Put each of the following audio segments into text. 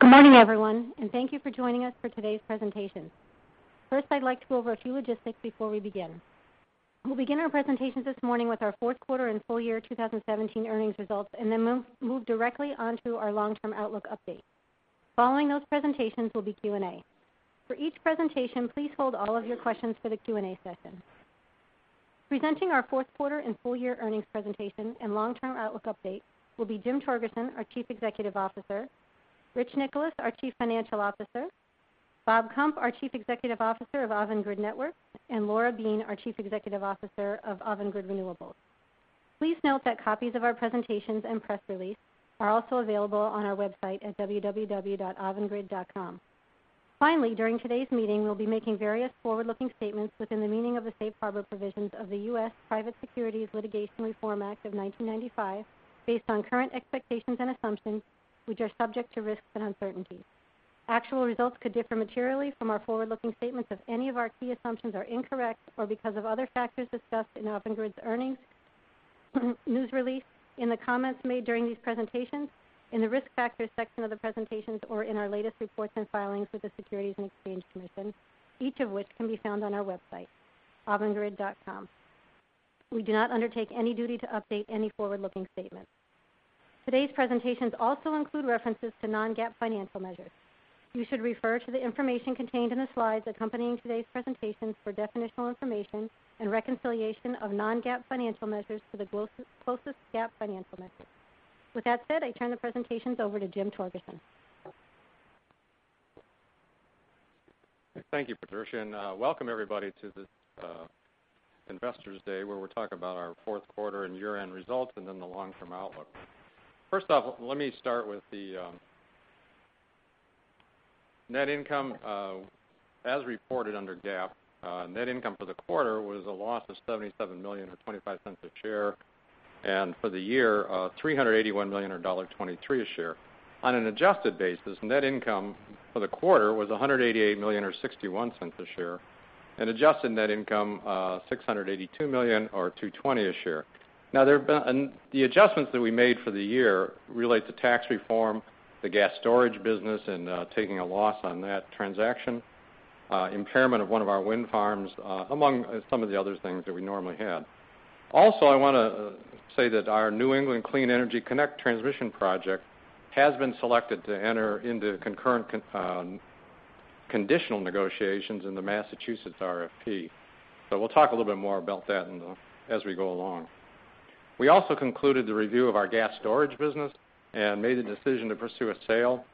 Good morning, everyone, thank you for joining us for today's presentation. First, I'd like to go over a few logistics before we begin. We'll begin our presentations this morning with our fourth quarter and full year 2017 earnings results, then move directly onto our long-term outlook update. Following those presentations will be Q&A. For each presentation, please hold all of your questions for the Q&A session. Presenting our fourth quarter and full year earnings presentation and long-term outlook update will be Jim Torgerson, our Chief Executive Officer, Rich Nicholas, our Chief Financial Officer, Bob Kump, our Chief Executive Officer of Avangrid Networks, and Laura Beane, our Chief Executive Officer of Avangrid Renewables. Please note that copies of our presentations and press release are also available on our website at www.avangrid.com. During today's meeting, we'll be making various forward-looking statements within the meaning of the Safe Harbor provisions of the U.S. Private Securities Litigation Reform Act of 1995, based on current expectations and assumptions, which are subject to risks and uncertainties. Actual results could differ materially from our forward-looking statements if any of our key assumptions are incorrect, or because of other factors discussed in Avangrid's earnings news release, in the comments made during these presentations, in the Risk Factors section of the presentations, or in our latest reports and filings with the Securities and Exchange Commission, each of which can be found on our website, avangrid.com. We do not undertake any duty to update any forward-looking statements. Today's presentations also include references to non-GAAP financial measures. You should refer to the information contained in the slides accompanying today's presentations for definitional information and reconciliation of non-GAAP financial measures to the closest GAAP financial measures. With that said, I turn the presentations over to Jim Torgerson. Thank you, Patricia, welcome everybody to this Investors' Day, where we'll talk about our fourth quarter and year-end results, then the long-term outlook. Let me start with the net income. As reported under GAAP, net income for the quarter was a loss of $77 million, or $0.25 a share, for the year, $381 million, or $1.23 a share. On an adjusted basis, net income for the quarter was $188 million, or $0.61 a share, adjusted net income, $682 million or $2.20 a share. The adjustments that we made for the year relate to tax reform, the gas storage business, and taking a loss on that transaction, impairment of one of our wind farms, among some of the other things that we normally had. I want to say that our New England Clean Energy Connect transmission project has been selected to enter into concurrent conditional negotiations in the Massachusetts RFP. We'll talk a little bit more about that as we go along. We concluded the review of our gas storage business and made the decision to pursue a sale.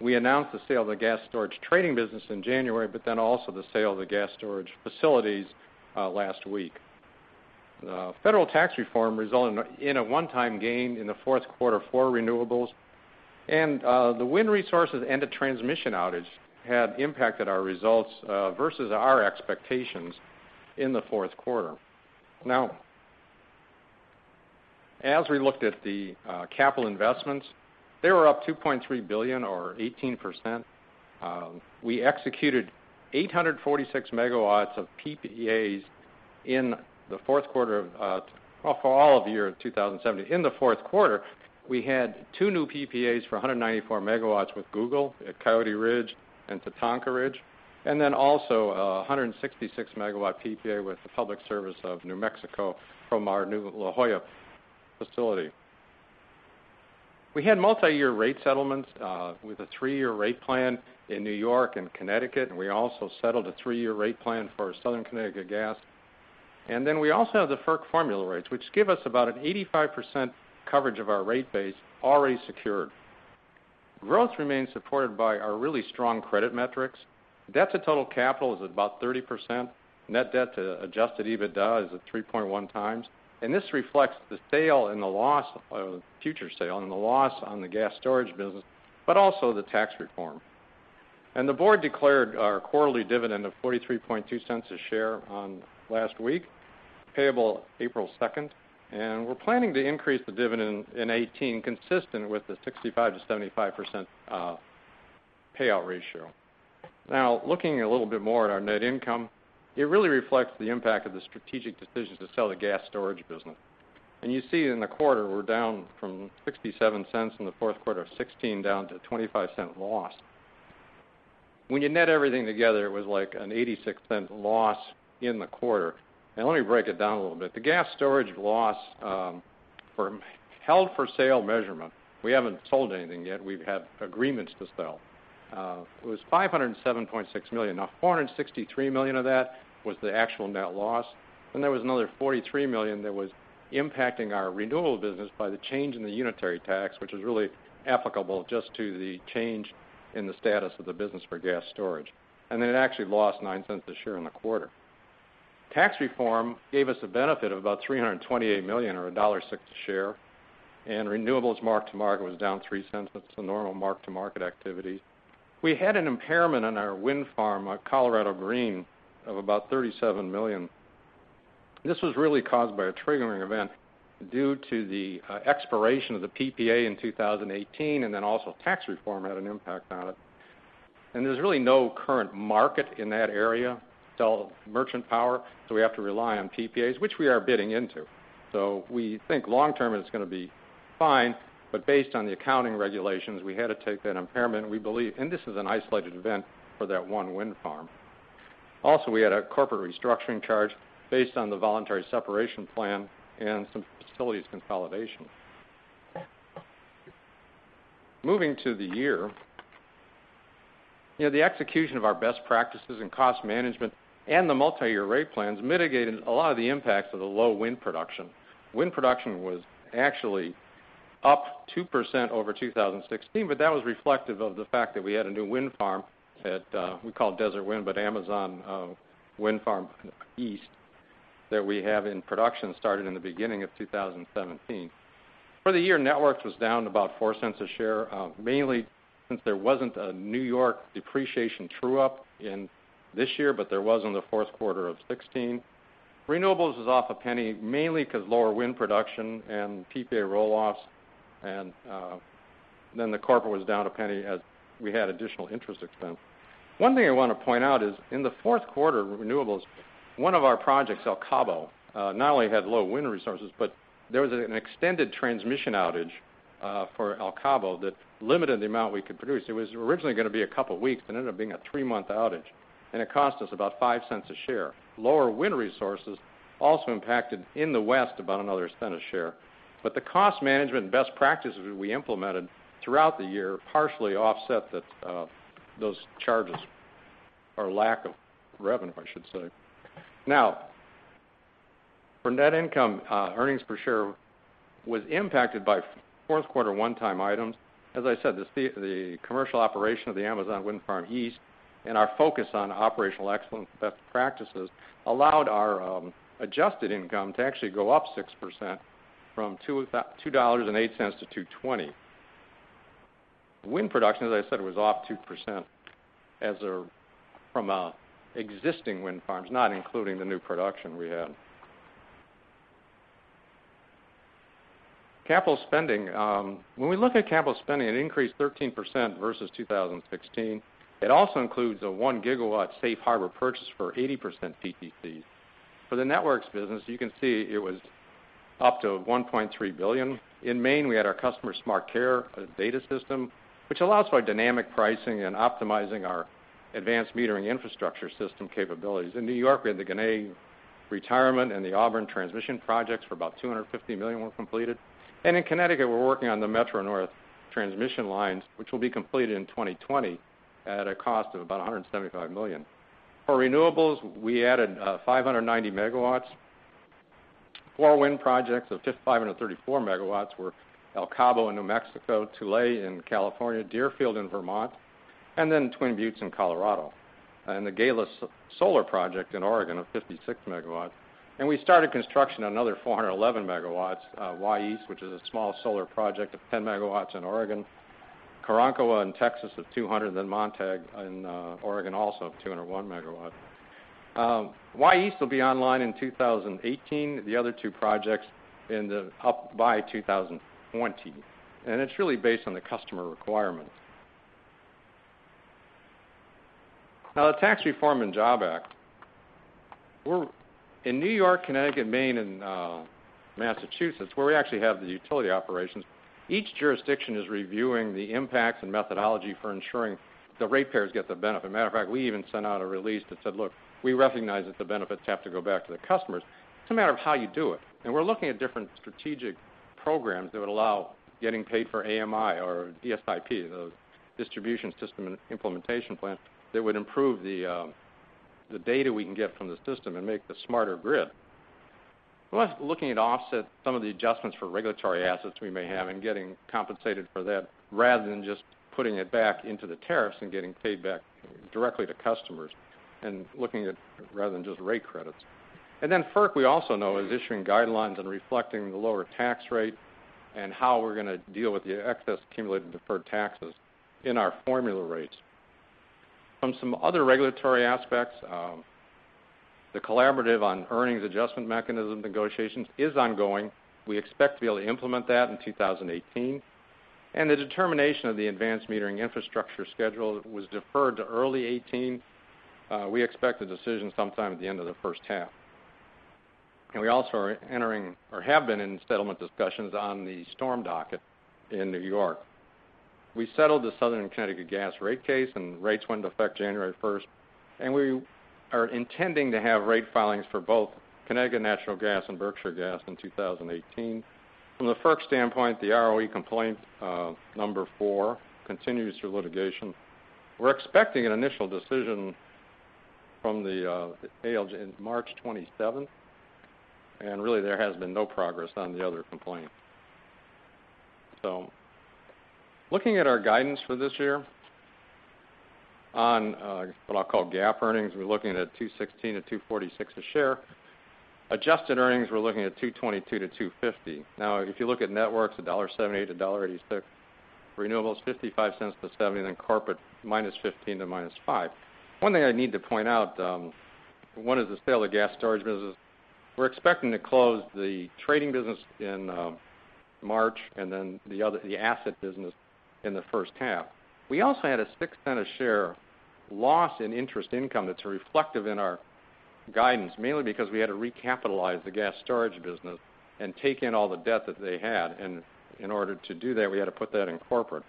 We announced the sale of the gas storage trading business in January, the sale of the gas storage facilities last week. Federal tax reform resulted in a one-time gain in the fourth quarter for renewables, and the wind resources and the transmission outage had impacted our results versus our expectations in the fourth quarter. As we looked at the capital investments, they were up $2.3 billion or 18%. We executed 846 megawatts of PPAs for all of the year 2017. In the fourth quarter, we had two new PPAs for 194 megawatts with Google at Coyote Ridge and Tatanka Ridge, a 166-megawatt PPA with the Public Service Company of New Mexico from our new La Joya facility. We had multi-year rate settlements with a three-year rate plan in N.Y. and Connecticut. We also settled a three-year rate plan for Southern Connecticut Gas. We also have the FERC formula rates, which give us about an 85% coverage of our rate base already secured. Growth remains supported by our really strong credit metrics. Debt to total capital is about 30%. Net debt to adjusted EBITDA is at 3.1 times, this reflects the future sale and the loss on the gas storage business, also the tax reform. The board declared our quarterly dividend of $0.432 a share last week, payable April 2nd, we're planning to increase the dividend in 2018, consistent with the 65%-75% payout ratio. Looking a little bit more at our net income, it really reflects the impact of the strategic decision to sell the gas storage business. You see in the quarter, we're down from $0.67 in the fourth quarter of 2016, down to a $0.25 loss. When you net everything together, it was like an $0.86 loss in the quarter. Let me break it down a little bit. The gas storage loss held for sale measurement, we haven't sold anything yet. We've had agreements to sell. It was $507.6 million. $463 million of that was the actual net loss, there was another $43 million that was impacting our renewable business by the change in the unitary tax, which was really applicable just to the change in the status of the business for gas storage. It actually lost $0.09 a share in the quarter. Tax reform gave us a benefit of about $328 million, or $1.06 a share, renewables mark-to-market was down $0.03, that's the normal mark-to-market activity. We had an impairment on our wind farm, Colorado Green, of about $37 million. This was really caused by a triggering event due to the expiration of the PPA in 2018, also tax reform had an impact on it. There's really no current market in that area, sell merchant power, so we have to rely on PPAs, which we are bidding into. We think long term it's going to be fine, based on the accounting regulations, we had to take that impairment, we believe, and this is an isolated event for that one wind farm. We had a corporate restructuring charge based on the voluntary separation plan and some facilities consolidation. Moving to the year. The execution of our best practices in cost management and the multi-year rate plans mitigated a lot of the impacts of the low wind production. Wind production was actually up 2% over 2016. That was reflective of the fact that we had a new wind farm at, we call it Desert Wind, but Amazon Wind Farm East that we have in production, started in the beginning of 2017. For the year, networks was down about $0.04 a share, mainly since there wasn't a New York depreciation true-up in this year. There was in the fourth quarter of 2016. Renewables is off $0.01, mainly because lower wind production and PPA roll-offs. The corporate was down $0.01 as we had additional interest expense. One thing I want to point out is in the fourth quarter renewables, one of our projects, El Cabo, not only had low wind resources. There was an extended transmission outage for El Cabo that limited the amount we could produce. It was originally going to be a couple of weeks and ended up being a three-month outage, and it cost us about $0.05 a share. Lower wind resources also impacted in the West about another $0.01 a share. The cost management and best practices we implemented throughout the year partially offset those charges, or lack of revenue, I should say. For net income, earnings per share was impacted by fourth quarter one-time items. As I said, the commercial operation of the Amazon Wind Farm East and our focus on operational excellence best practices allowed our adjusted income to actually go up 6% from $2.08 to $2.20. Wind production, as I said, was off 2% from existing wind farms, not including the new production we had. Capital spending. When we look at capital spending, it increased 13% versus 2016. It also includes a 1 gigawatt safe harbor purchase for 80% PTC. For the Networks business, you can see it was up to $1.3 billion. In Maine, we had our customer SmartCare, a data system, which allows for dynamic pricing and optimizing our advanced metering infrastructure system capabilities. In New York, we had the Ginna retirement and the Auburn transmission projects for about $250 million were completed. In Connecticut, we're working on the Metro-North transmission lines, which will be completed in 2020 at a cost of about $175 million. For renewables, we added 590 MW. Four wind projects of 534 MW were El Cabo in New Mexico, Tule in California, Deerfield in Vermont, Twin Buttes in Colorado. The Gala solar project in Oregon of 56 MW. We started construction on another 411 MW, Wy East, which is a small solar project of 10 MW in Oregon, Karankawa in Texas of 200 MW, Montague in Oregon, also of 201 MW. Wy East will be online in 2018. The other two projects up by 2020. It's really based on the customer requirements. The Tax Cuts and Jobs Act. In New York, Connecticut, Maine, and Massachusetts, where we actually have the utility operations, each jurisdiction is reviewing the impacts and methodology for ensuring the ratepayers get the benefit. Matter of fact, we even sent out a release that said, look, we recognize that the benefits have to go back to the customers. It's a matter of how you do it, and we're looking at different strategic programs that would allow getting paid for AMI or DSIP, the Distribution System Implementation Plan, that would improve the data we can get from the system and make the smarter grid. We're also looking at offset some of the adjustments for regulatory assets we may have and getting compensated for that, rather than just putting it back into the tariffs and getting paid back directly to customers and looking at rather than just rate credits. Then FERC, we also know, is issuing guidelines and reflecting the lower tax rate and how we're going to deal with the excess accumulated deferred taxes in our formula rates. From some other regulatory aspects, the collaborative on earnings adjustment mechanism negotiations is ongoing. We expect to be able to implement that in 2018. The determination of the advanced metering infrastructure schedule was deferred to early 2018. We expect a decision sometime at the end of the first half. We also are entering or have been in settlement discussions on the storm docket in New York. We settled the Southern Connecticut Gas rate case, and rates went into effect January 1st. We are intending to have rate filings for both Connecticut Natural Gas and Berkshire Gas in 2018. From the FERC standpoint, the ROE complaint number four continues through litigation. We're expecting an initial decision from the ALJ in March 27th. Really there has been no progress on the other complaint. Looking at our guidance for this year on what I'll call GAAP earnings, we're looking at $2.16-$2.46 a share. Adjusted earnings, we're looking at $2.22-$2.50. Now, if you look at Networks, $1.78-$1.86. Renewables, $0.55-$0.70. Then Corporate, -$0.15 to -$0.05. One thing I need to point out is the sale of gas storage business. We're expecting to close the trading business in March, and then the asset business in the first half. We also had a $0.06 a share loss in interest income that's reflective in our guidance, mainly because we had to recapitalize the gas storage business and take in all the debt that they had. In order to do that, we had to put that in Corporate.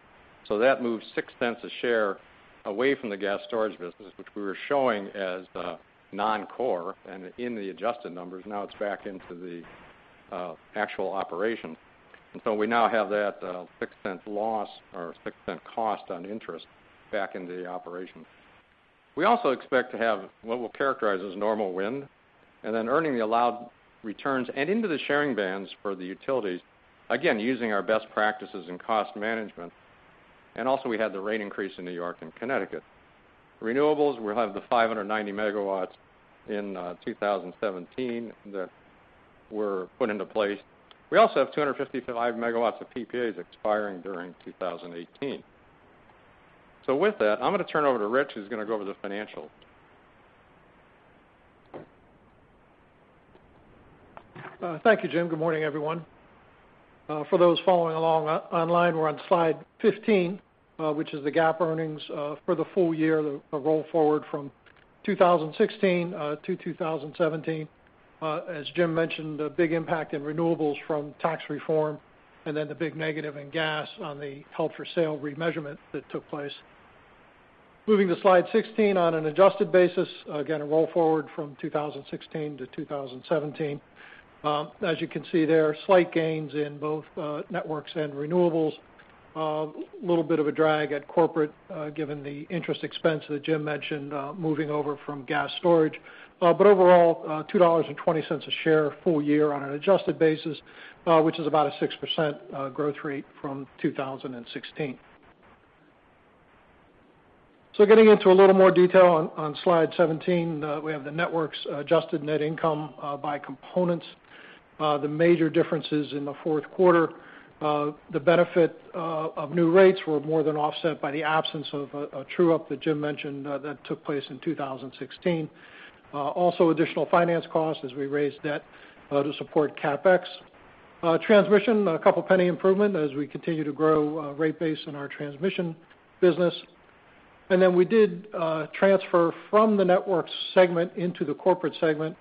That moved $0.06 a share away from the gas storage business, which we were showing as the non-core and in the adjusted numbers. Now it's back into the actual operation. We now have that $0.06 cost on interest back into the operation. We also expect to have what we'll characterize as normal wind, then earning the allowed returns and into the sharing bands for the utilities, again, using our best practices in cost management. Also, we had the rate increase in New York and Connecticut. Renewables, we'll have the 590 megawatts in 2017 that were put into place. We also have 255 MW of PPAs expiring during 2018. With that, I'm going to turn over to Rich, who's going to go over the financials. Thank you, Jim. Good morning, everyone. For those following along online, we're on slide 15, which is the GAAP earnings for the full year, the roll forward from 2016 to 2017. As Jim mentioned, a big impact in Renewables from tax reform, and then the big negative in gas on the held-for-sale remeasurement that took place. Moving to slide 16, on an adjusted basis, again, a roll forward from 2016 to 2017. As you can see there, slight gains in both Networks and Renewables. A little bit of a drag at corporate, given the interest expense that Jim mentioned, moving over from gas storage. Overall, $2.20 a share full year on an adjusted basis, which is about a 6% growth rate from 2016. Getting into a little more detail on slide 17, we have the Networks adjusted net income by components. The major differences in the fourth quarter, the benefit of new rates were more than offset by the absence of a true-up that Jim mentioned that took place in 2016. Also additional finance costs as we raised debt to support CapEx. Transmission, a $0.02 improvement as we continue to grow rate base in our transmission business. Then we did transfer from the Networks segment into the corporate segment,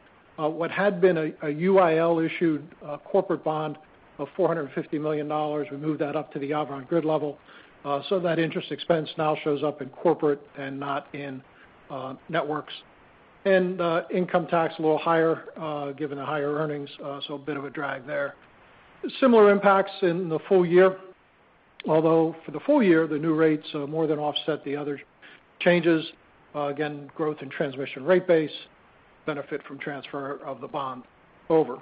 what had been a UIL-issued corporate bond of $450 million. We moved that up to the Avangrid level. That interest expense now shows up in corporate and not in Networks. Income tax, a little higher, given the higher earnings, so a bit of a drag there. Similar impacts in the full year, although for the full year, the new rates more than offset the other changes. Again, growth in transmission rate base, benefit from transfer of the bond over.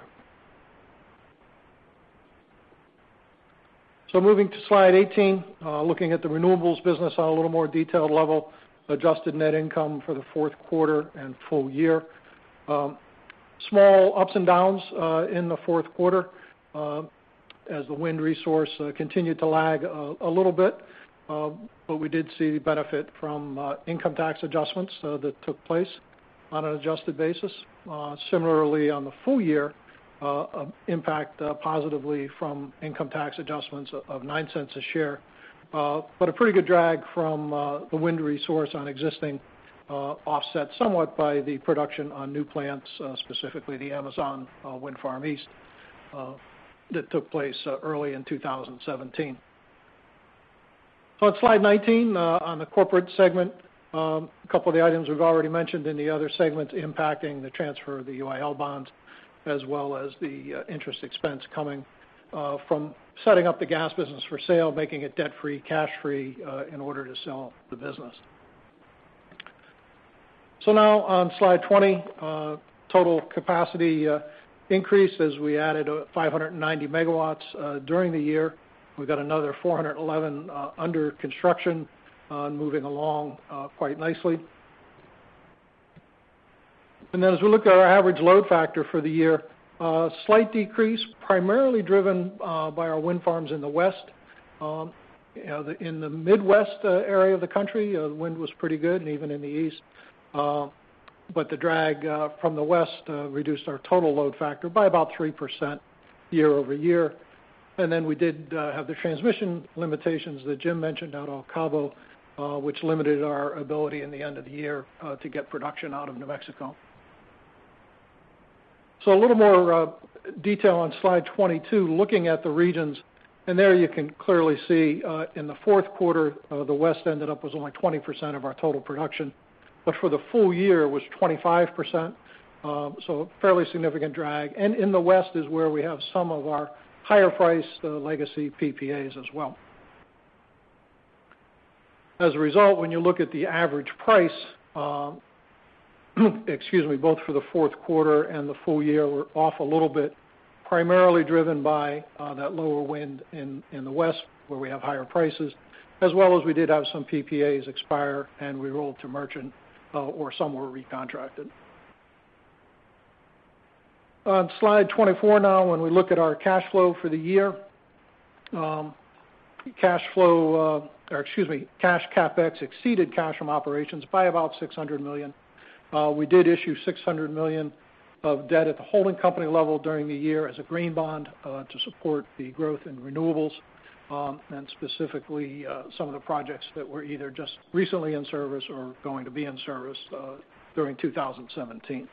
Moving to slide 18, looking at the Renewables business on a little more detailed level, adjusted net income for the fourth quarter and full year. Small ups and downs in the fourth quarter as the wind resource continued to lag a little bit. We did see the benefit from income tax adjustments that took place on an adjusted basis. Similarly, on the full year, impact positively from income tax adjustments of $0.09 a share. A pretty good drag from the wind resource on existing offsets, somewhat by the production on new plants, specifically the Amazon Wind Farm East, that took place early in 2017. On slide 19, on the corporate segment, a couple of the items we've already mentioned in the other segments impacting the transfer of the UIL bonds, as well as the interest expense coming from setting up the gas business for sale, making it debt-free, cash-free, in order to sell the business. Now on slide 20, total capacity increase as we added 590 MW during the year. We've got another 411 under construction, moving along quite nicely. Then as we look at our average load factor for the year, a slight decrease, primarily driven by our wind farms in the West. In the Midwest area of the country, wind was pretty good, and even in the East. The drag from the West reduced our total load factor by about 3% year-over-year. We did have the transmission limitations that Jim mentioned out on CAISO, which limited our ability in the end of the year to get production out of New Mexico. A little more detail on slide 22, looking at the regions, and there you can clearly see in the fourth quarter, the West ended up with only 20% of our total production. For the full year, it was 25%, so a fairly significant drag. In the West is where we have some of our higher priced legacy PPAs as well. As a result, when you look at the average price, both for the fourth quarter and the full year, we're off a little bit, primarily driven by that lower wind in the West, where we have higher prices, as well as we did have some PPAs expire, and we rolled to merchant, or some were recontracted. On slide 24 now, when we look at our cash flow for the year, cash CapEx exceeded cash from operations by about $600 million. We did issue $600 million of debt at the holding company level during the year as a green bond to support the growth in renewables, and specifically, some of the projects that were either just recently in service or going to be in service during 2017.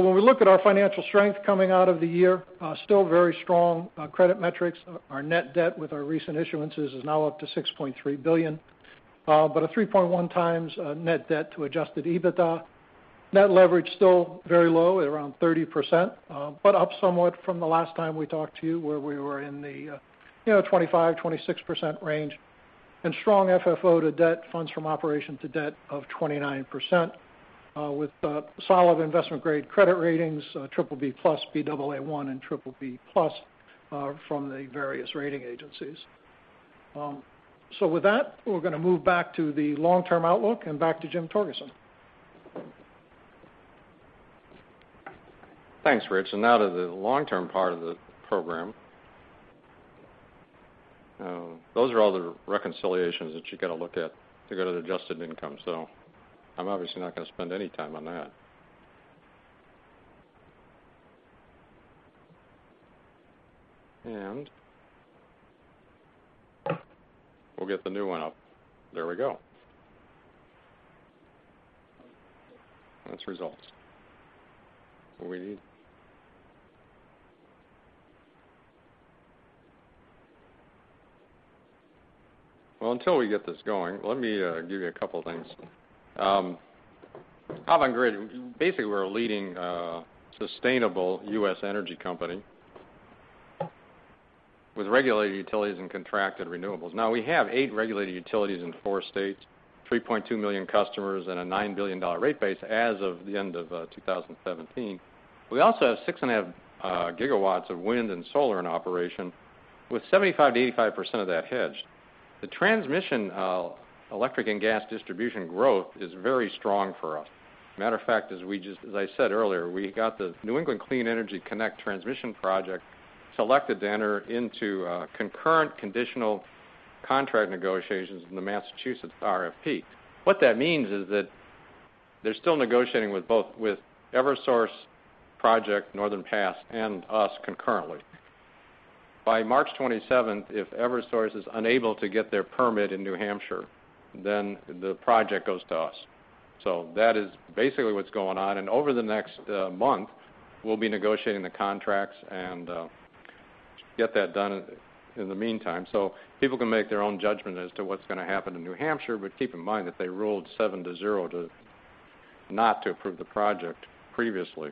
When we look at our financial strength coming out of the year, still very strong credit metrics. Our net debt with our recent issuances is now up to $6.3 billion, but a 3.1 times net debt to adjusted EBITDA. Net leverage still very low at around 30%, but up somewhat from the last time we talked to you where we were in the 25%-26% range. Strong FFO to debt, funds from operation to debt, of 29%, with solid investment-grade credit ratings, BBB+, Baa1, and BBB+ from the various rating agencies. With that, we're going to move back to the long-term outlook and back to Jim Torgerson. Thanks, Rich, and now to the long-term part of the program. Those are all the reconciliations that you got to look at to get at adjusted income. I'm obviously not going to spend any time on that. We'll get the new one up. There we go. That's results. What we need. Well, until we get this going, let me give you a couple of things. Avangrid, basically, we're a leading sustainable U.S. energy company with regulated utilities and contracted renewables. Now we have eight regulated utilities in four states, 3.2 million customers, and a $9 billion rate base as of the end of 2017. We also have six and a half gigawatts of wind and solar in operation, with 75%-85% of that hedged. The transmission electric and gas distribution growth is very strong for us. Matter of fact, as I said earlier, we got the New England Clean Energy Connect transmission project selected to enter into concurrent conditional contract negotiations in the Massachusetts RFP. What that means is that they're still negotiating with Eversource project, Northern Pass, and us concurrently. By March 27th, if Eversource is unable to get their permit in New Hampshire, then the project goes to us. That is basically what's going on, and over the next month, we'll be negotiating the contracts and get that done in the meantime. People can make their own judgment as to what's going to happen in New Hampshire, but keep in mind that they ruled seven to zero to not to approve the project previously.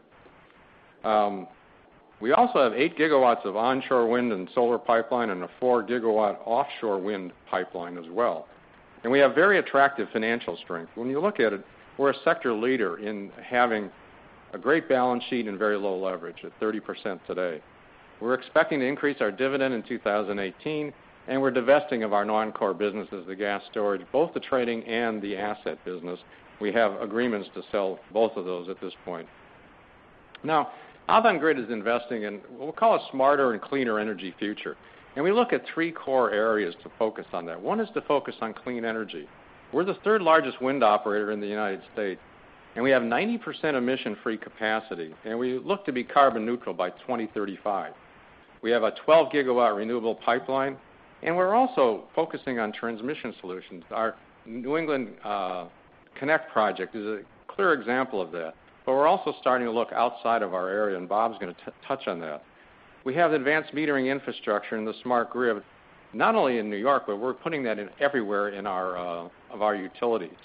We also have 8 gigawatts of onshore wind and solar pipeline, and a 4 gigawatt offshore wind pipeline as well. We have very attractive financial strength. When you look at it, we're a sector leader in having a great balance sheet and very low leverage at 30% today. We're expecting to increase our dividend in 2018, and we're divesting of our non-core businesses, the gas storage, both the trading and the asset business. We have agreements to sell both of those at this point. Avangrid is investing in, we'll call it, smarter and cleaner energy future. We look at three core areas to focus on that. One is to focus on clean energy. We're the third-largest wind operator in the U.S., and we have 90% emission-free capacity, and we look to be carbon neutral by 2035. We have a 12-gigawatt renewable pipeline, and we're also focusing on transmission solutions. Our New England Connect project is a clear example of that, but we're also starting to look outside of our area, and Bob's going to touch on that. We have advanced metering infrastructure in the smart grid, not only in New York, but we're putting that in everywhere of our utilities.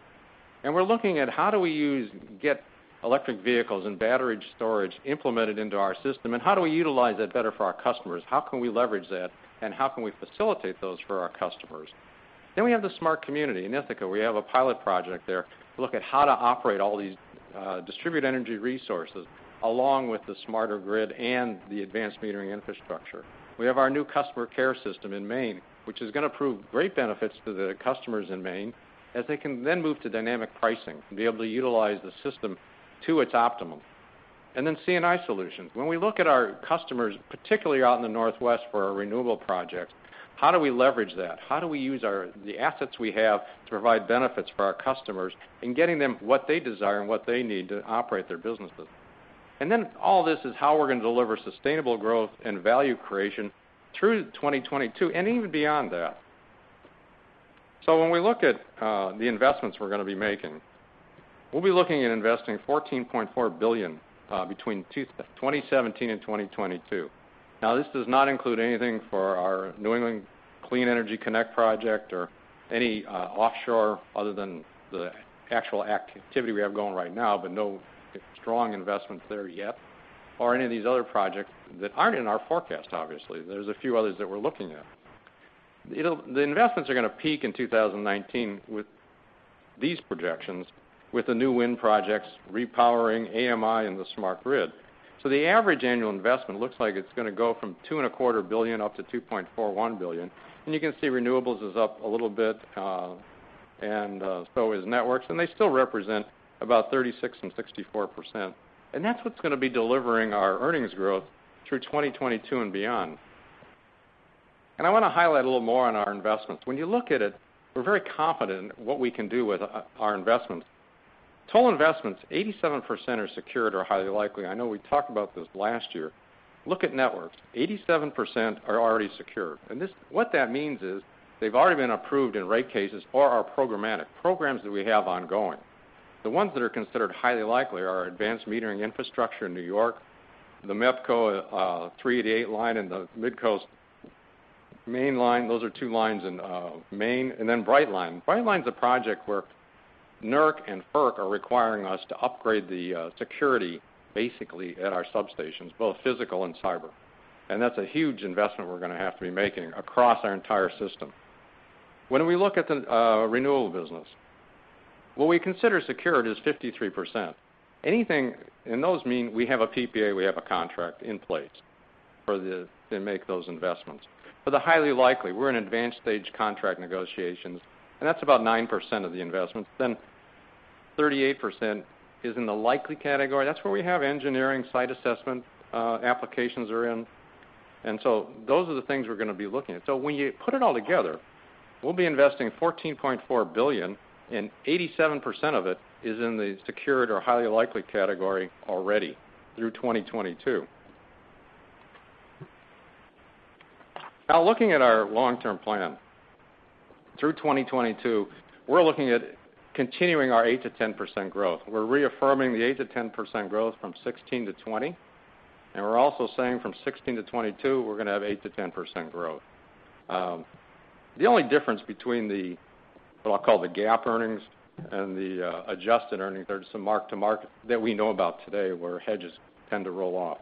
We're looking at how do we get electric vehicles and battery storage implemented into our system, and how do we utilize that better for our customers? How can we leverage that, and how can we facilitate those for our customers? We have the smart community. In Ithaca, we have a pilot project there to look at how to operate all these distributed energy resources, along with the smarter grid and the advanced metering infrastructure. We have our new customer care system in Maine, which is going to prove great benefits to the customers in Maine as they can then move to dynamic pricing, and be able to utilize the system to its optimum. C&I solutions. When we look at our customers, particularly out in the Northwest for our renewable projects, how do we leverage that? How do we use the assets we have to provide benefits for our customers in getting them what they desire and what they need to operate their businesses? All this is how we're going to deliver sustainable growth and value creation through 2022, and even beyond that. When we look at the investments we're going to be making, we'll be looking at investing $14.4 billion between 2017 and 2022. This does not include anything for our New England Clean Energy Connect project or any offshore other than the actual activity we have going right now, but no strong investments there yet, or any of these other projects that aren't in our forecast, obviously. There's a few others that we're looking at. The investments are going to peak in 2019 with these projections, with the new wind projects, repowering, AMI, and the smart grid. The average annual investment looks like it's going to go from $2.25 billion up to $2.41 billion. You can see renewables is up a little bit, and so is Networks, and they still represent about 36% and 64%. That's what's going to be delivering our earnings growth through 2022 and beyond. I want to highlight a little more on our investments. When you look at it, we're very confident what we can do with our investments. Total investments, 87% are secured or highly likely. I know we talked about this last year. Look at Networks, 87% are already secured. What that means is they've already been approved in rate cases or are programmatic, programs that we have ongoing. The ones that are considered highly likely are our advanced metering infrastructure in New York, the MEPCO 388 line, and the MidCoast Maine line. Those are two lines in Maine. Brightline. Brightline's a project where NERC and FERC are requiring us to upgrade the security basically at our substations, both physical and cyber. That's a huge investment we're going to have to be making across our entire system. When we look at the renewables business, what we consider secured is 53%. Those mean we have a PPA, we have a contract in place to make those investments. For the highly likely, we're in advanced stage contract negotiations, and that's about 9% of the investments. 38% is in the likely category. That's where we have engineering site assessment applications are in. Those are the things we're going to be looking at. When you put it all together, we'll be investing $14.4 billion, and 87% of it is in the secured or highly likely category already through 2022. Looking at our long-term plan. Through 2022, we're looking at continuing our 8%-10% growth. We're reaffirming the 8%-10% growth from 2016 to 2020, and we're also saying from 2016 to 2022, we're going to have 8%-10% growth. The only difference between what I'll call the GAAP earnings and the adjusted earnings, there are some mark-to-market that we know about today where hedges tend to roll off.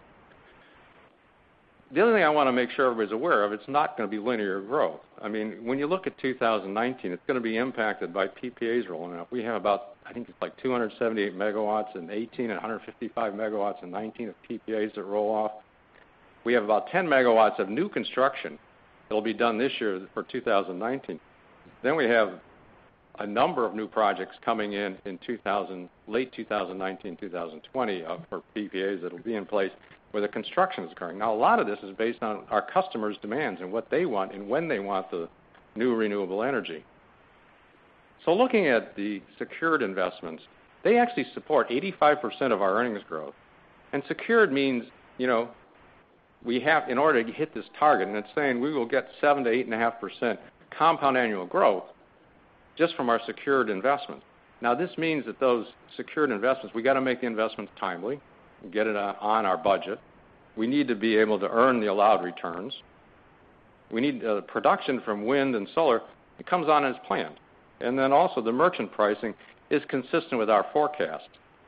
The other thing I want to make sure everybody's aware of, it's not going to be linear growth. When you look at 2019, it's going to be impacted by PPAs rolling out. We have about, I think it's like 278 MW in 2018 and 155 MW in 2019 of PPAs that roll off. We have about 10 MW of new construction that'll be done this year for 2019. We have a number of new projects coming in in late 2019, 2020 for PPAs that'll be in place where the construction is occurring. A lot of this is based on our customers' demands and what they want and when they want the new renewable energy. Looking at the secured investments, they actually support 85% of our earnings growth. Secured means in order to hit this target, it's saying we will get 7%-8.5% compound annual growth just from our secured investment. This means that those secured investments, we got to make the investments timely and get it on our budget. We need to be able to earn the allowed returns. We need the production from wind and solar, it comes on as planned. The merchant pricing is consistent with our forecast.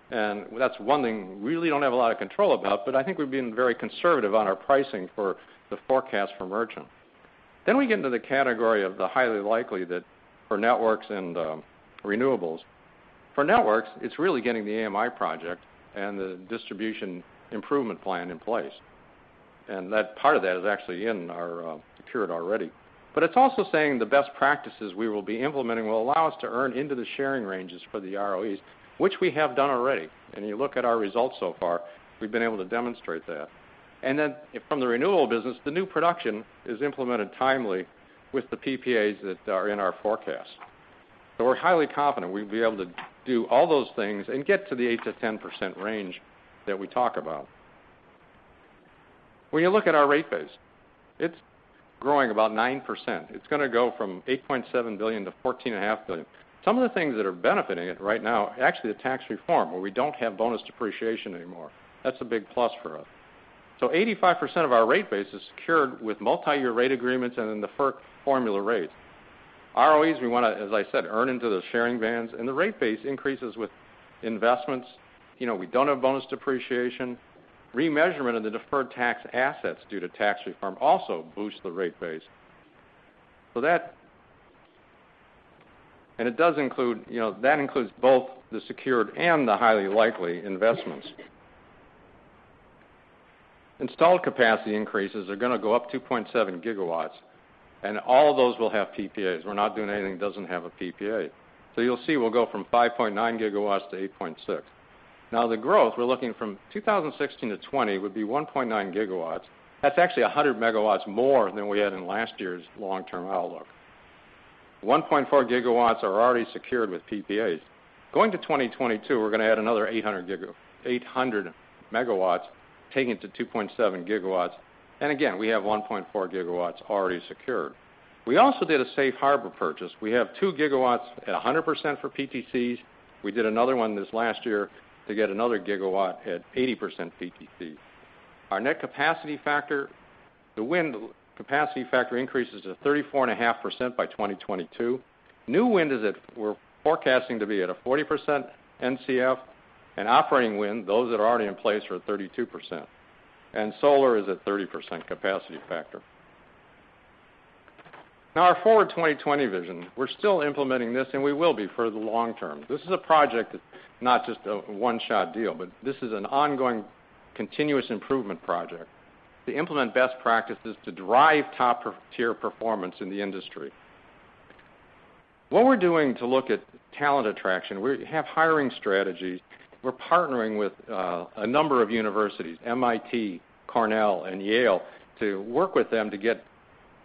That's one thing we really don't have a lot of control about, but I think we've been very conservative on our pricing for the forecast for merchant. We get into the category of the highly likely that for networks and renewables. For networks, it's really getting the AMI project and the distribution improvement plan in place. Part of that is actually in our secured already. It's also saying the best practices we will be implementing will allow us to earn into the sharing ranges for the ROEs, which we have done already. You look at our results so far, we've been able to demonstrate that. From the renewables business, the new production is implemented timely with the PPAs that are in our forecast. We're highly confident we'll be able to do all those things and get to the 8%-10% range that we talk about. When you look at our rate base, it's growing about 9%. It's going to go from $8.7 billion to $14.5 billion. Some of the things that are benefiting it right now, actually the tax reform, where we don't have bonus depreciation anymore. That's a big plus for us. 85% of our rate base is secured with multi-year rate agreements and in the FERC formula rate. ROEs, we want to, as I said, earn into those sharing bands. The rate base increases with investments. We don't have bonus depreciation. Remeasurement of the deferred tax assets due to tax reform also boosts the rate base. That includes both the secured and the highly likely investments. Installed capacity increases are going to go up 2.7 gigawatts. All those will have PPAs. We're not doing anything that doesn't have a PPA. You'll see we'll go from 5.9 gigawatts to 8.6 gigawatts. The growth, we're looking from 2016 to 2020, would be 1.9 gigawatts. That's actually 100 megawatts more than we had in last year's long-term outlook. 1.4 gigawatts are already secured with PPAs. Going to 2022, we're going to add another 800 megawatts, taking it to 2.7 gigawatts. We have 1.4 gigawatts already secured. We also did a safe harbor purchase. We have 2 gigawatts at 100% for PTCs. We did another one this last year to get another 1 gigawatt at 80% PTC. Our net capacity factor, the wind capacity factor increases to 34.5% by 2022. New wind we're forecasting to be at a 40% NCF. Operating wind, those that are already in place, are at 32%. Solar is at 30% capacity factor. Our Forward 2020 Vision, we're still implementing this, and we will be for the long term. This is a project that's not just a one-shot deal, but this is an ongoing continuous improvement project. To implement best practices to drive top-tier performance in the industry. What we're doing to look at talent attraction, we have hiring strategies. We're partnering with a number of universities, MIT, Cornell, and Yale, to work with them to get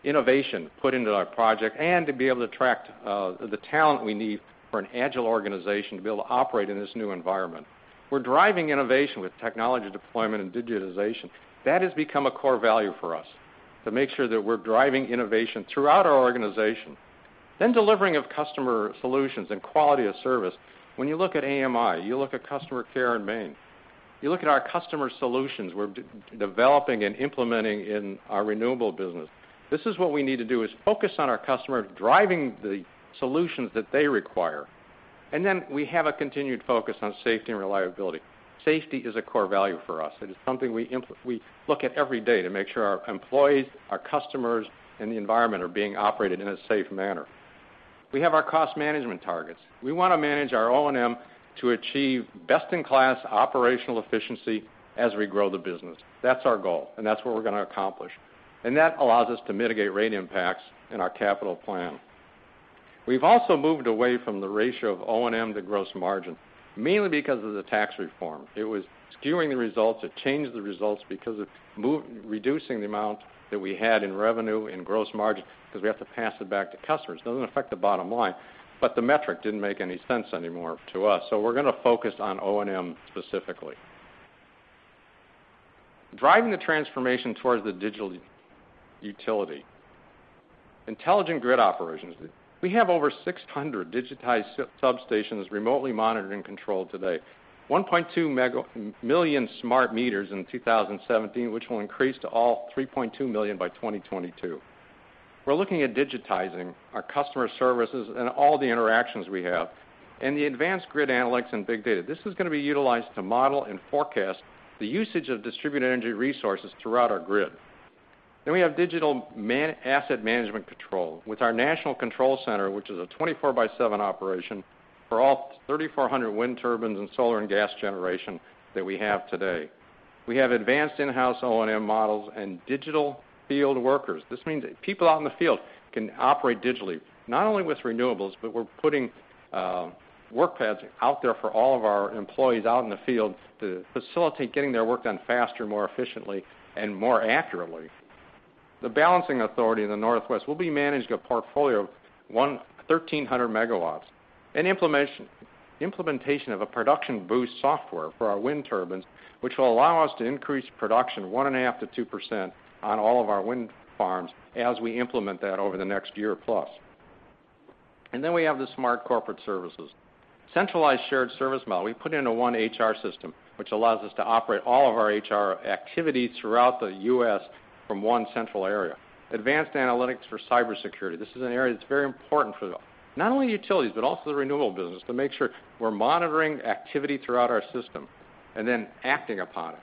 innovation put into our project and to be able to attract the talent we need for an agile organization to be able to operate in this new environment. We're driving innovation with technology deployment and digitization. That has become a core value for us, to make sure that we're driving innovation throughout our organization. Delivering of customer solutions and quality of service. When you look at AMI, you look at customer care in Maine. You look at our customer solutions we're developing and implementing in our renewable business. This is what we need to do, is focus on our customers, driving the solutions that they require. We have a continued focus on safety and reliability. Safety is a core value for us. It is something we look at every day to make sure our employees, our customers, and the environment are being operated in a safe manner. We have our cost management targets. We want to manage our O&M to achieve best-in-class operational efficiency as we grow the business. That's our goal, and that's what we're going to accomplish. That allows us to mitigate rate impacts in our capital plan. We've also moved away from the ratio of O&M to gross margin, mainly because of the tax reform. It was skewing the results. It changed the results because of reducing the amount that we had in revenue and gross margin because we have to pass it back to customers. Doesn't affect the bottom line, the metric didn't make any sense anymore to us. We're going to focus on O&M specifically. Driving the transformation towards the digital utility. Intelligent grid operations. We have over 600 digitized substations remotely monitored and controlled today. 1.2 million smart meters in 2017, which will increase to all 3.2 million by 2022. We're looking at digitizing our customer services and all the interactions we have, the advanced grid analytics and big data. This is going to be utilized to model and forecast the usage of distributed energy resources throughout our grid. We have digital asset management control with our national control center, which is a 24 by 7 operation for all 3,400 wind turbines and solar and gas generation that we have today. We have advanced in-house O&M models and digital field workers. This means people out in the field can operate digitally, not only with renewables, but we're putting work pads out there for all of our employees out in the field to facilitate getting their work done faster, more efficiently, and more accurately. The balancing authority in the Northwest will be managing a portfolio of 1,300 megawatts. An implementation of a production boost software for our wind turbines, which will allow us to increase production 1.5%-2% on all of our wind farms as we implement that over the next year plus. We have the smart corporate services. Centralized shared service model. We put in a one HR system, which allows us to operate all of our HR activities throughout the U.S. from one central area. Advanced analytics for cybersecurity. This is an area that's very important for not only utilities, but also the renewable business, to make sure we're monitoring activity throughout our system and then acting upon it.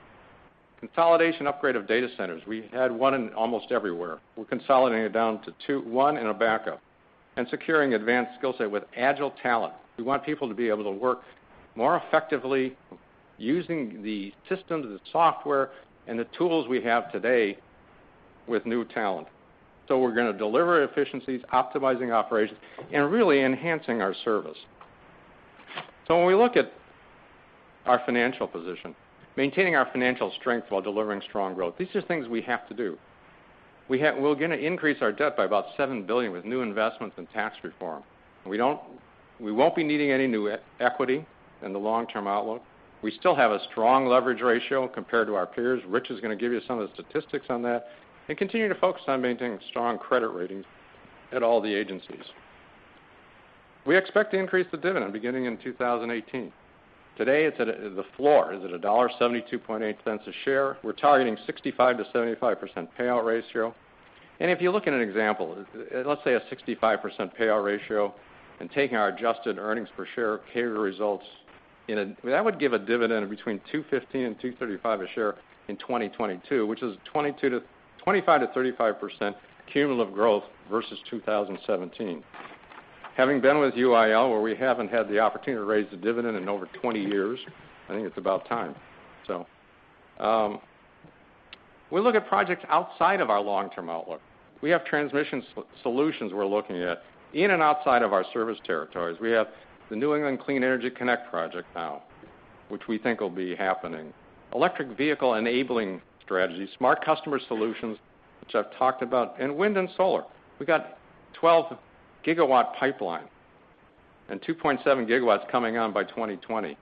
Consolidation upgrade of data centers. We had one in almost everywhere. We're consolidating it down to one and a backup. Securing advanced skill set with agile talent. We want people to be able to work more effectively using the systems, the software, and the tools we have today with new talent. We're going to deliver efficiencies, optimizing operations, and really enhancing our service. When we look at our financial position, maintaining our financial strength while delivering strong growth, these are things we have to do. We're going to increase our debt by about $7 billion with new investments and tax reform. We won't be needing any new equity in the long-term outlook. We still have a strong leverage ratio compared to our peers. Rich is going to give you some of the statistics on that. Continue to focus on maintaining strong credit ratings at all the agencies. We expect to increase the dividend beginning in 2018. Today, the floor is at $1.728 a share. We're targeting 65%-75% payout ratio. If you look at an example, let's say a 65% payout ratio and taking our adjusted earnings per share CAGR results, that would give a dividend between $2.15 and $2.35 a share in 2022, which is 25%-35% cumulative growth versus 2017. Having been with UIL, where we haven't had the opportunity to raise the dividend in over 20 years, I think it's about time. We look at projects outside of our long-term outlook. We have transmission solutions we're looking at in and outside of our service territories. We have the New England Clean Energy Connect project now, which we think will be happening. Electric vehicle enabling strategies, smart customer solutions, which I've talked about, and wind and solar. We've got 12 gigawatt pipeline and 2.7 gigawatts coming on by 2020.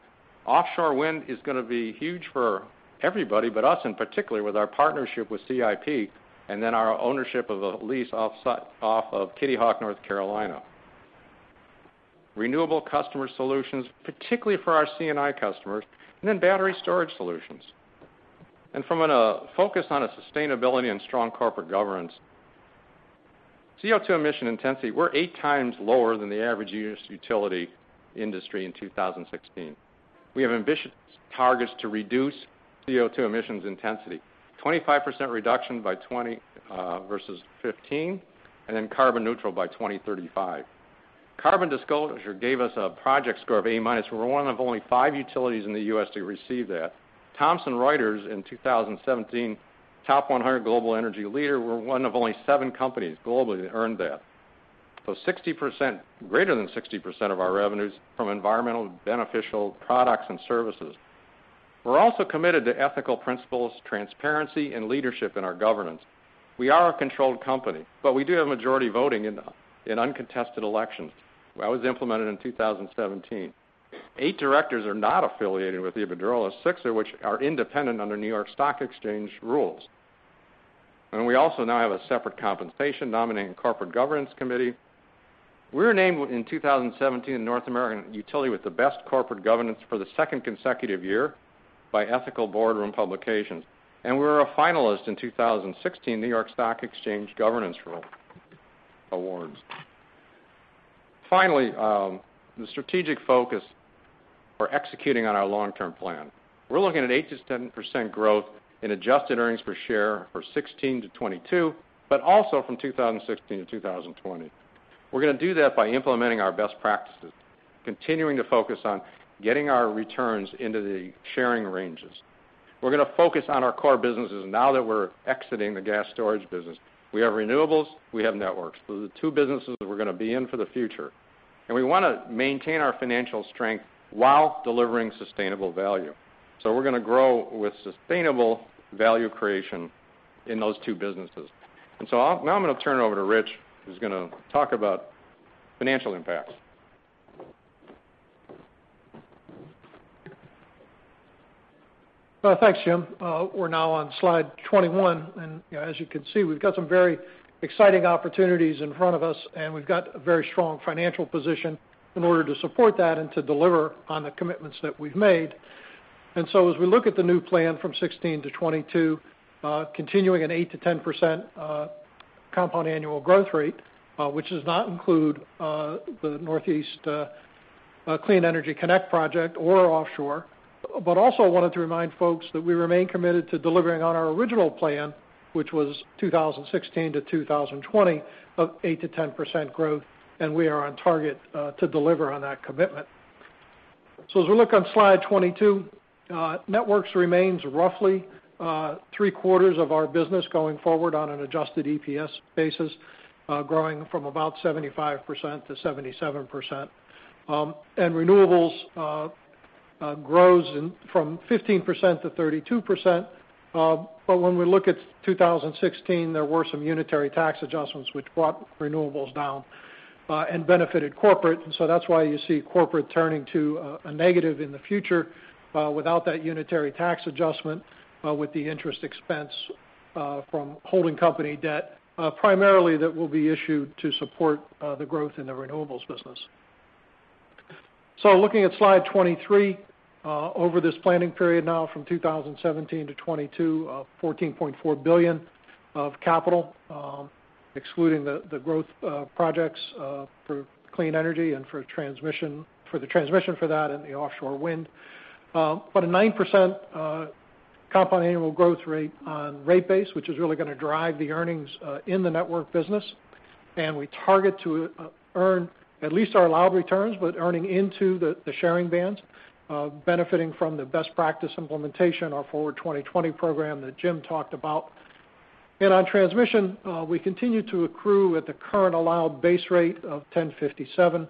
Offshore wind is going to be huge for everybody, but us in particular with our partnership with CIP, and then our ownership of a lease off of Kitty Hawk, North Carolina. Renewable customer solutions, particularly for our C&I customers, and then battery storage solutions. From a focus on sustainability and strong corporate governance. CO2 emission intensity, we're eight times lower than the average U.S. utility industry in 2016. We have ambitious targets to reduce CO2 emissions intensity. 25% reduction by 2020 versus 2015, and then carbon neutral by 2035. Carbon Disclosure gave us a project score of A minus. We're one of only five utilities in the U.S. to receive that. Thomson Reuters in 2017, Top 100 Global Energy Leaders. We're one of only seven companies globally to earn that. Greater than 60% of our revenue is from environmental beneficial products and services. We're also committed to ethical principles, transparency, and leadership in our governance. We are a controlled company, but we do have majority voting in uncontested elections. That was implemented in 2017. Eight directors are not affiliated with Iberdrola. Six are independent under New York Stock Exchange rules. We also now have a separate Compensation Nominating Corporate Governance Committee. We were named in 2017, North American Utility with the Best Corporate Governance for the second consecutive year by Ethical Boardroom Publications, and we were a finalist in 2016 New York Stock Exchange Governance Rule Awards. Finally, the strategic focus for executing on our long-term plan. We're looking at 8%-10% growth in adjusted earnings per share for 2016-2022, but also from 2016-2020. We're going to do that by implementing our best practices, continuing to focus on getting our returns into the sharing ranges. We're going to focus on our core businesses now that we're exiting the gas storage business. We have renewables, we have networks. Those are the two businesses that we're going to be in for the future. We want to maintain our financial strength while delivering sustainable value. We're going to grow with sustainable value creation in those two businesses. Now I'm going to turn it over to Rich, who's going to talk about financial impacts. Well, thanks, Jim. We're now on slide 21. As you can see, we've got some very exciting opportunities in front of us. We've got a very strong financial position in order to support that and to deliver on the commitments that we've made. As we look at the new plan from 2016-2022, continuing at 8%-10% compound annual growth rate, which does not include the New England Clean Energy Connect project or offshore. Also wanted to remind folks that we remain committed to delivering on our original plan, which was 2016-2020 of 8%-10% growth, and we are on target to deliver on that commitment. As we look on slide 22, networks remains roughly three-quarters of our business going forward on an adjusted EPS basis, growing from about 75%-77%. Renewables grows from 15%-32%, but when we look at 2016, there were some unitary tax adjustments which brought renewables down and benefited corporate. That's why you see corporate turning to a negative in the future, without that unitary tax adjustment with the interest expense from holding company debt, primarily that will be issued to support the growth in the renewables business. Looking at slide 23. Over this planning period now from 2017-2022, $14.4 billion of capital, excluding the growth projects for clean energy and for the transmission for that and the offshore wind. A 9% compound annual growth rate on rate base, which is really going to drive the earnings in the network business. We target to earn at least our allowed returns, earning into the sharing bands, benefiting from the best practice implementation, our Forward 2020+ program that Jim talked about. On transmission, we continue to accrue at the current allowed base rate of 10.57%.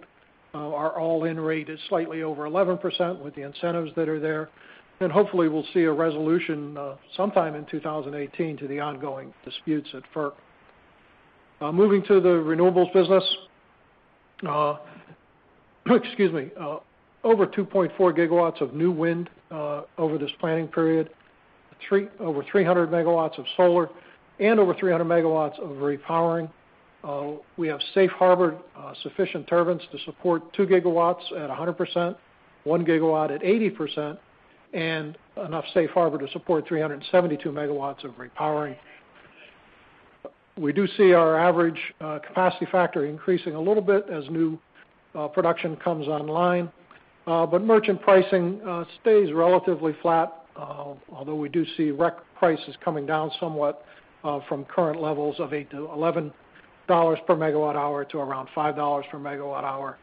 Our all-in rate is slightly over 11% with the incentives that are there. Hopefully we'll see a resolution sometime in 2018 to the ongoing disputes at FERC. Moving to the renewables business. Excuse me. Over 2.4 GW of new wind over this planning period. Over 300 MW of solar and over 300 MW of repowering. We have safe harbored sufficient turbines to support 2 GW at 100%, 1 GW at 80%, and enough safe harbor to support 372 MW of repowering. We do see our average capacity factor increasing a little bit as new production comes online. Merchant pricing stays relatively flat, although we do see REC prices coming down somewhat from current levels of $8-$11 per megawatt hour to around $5 per megawatt hour.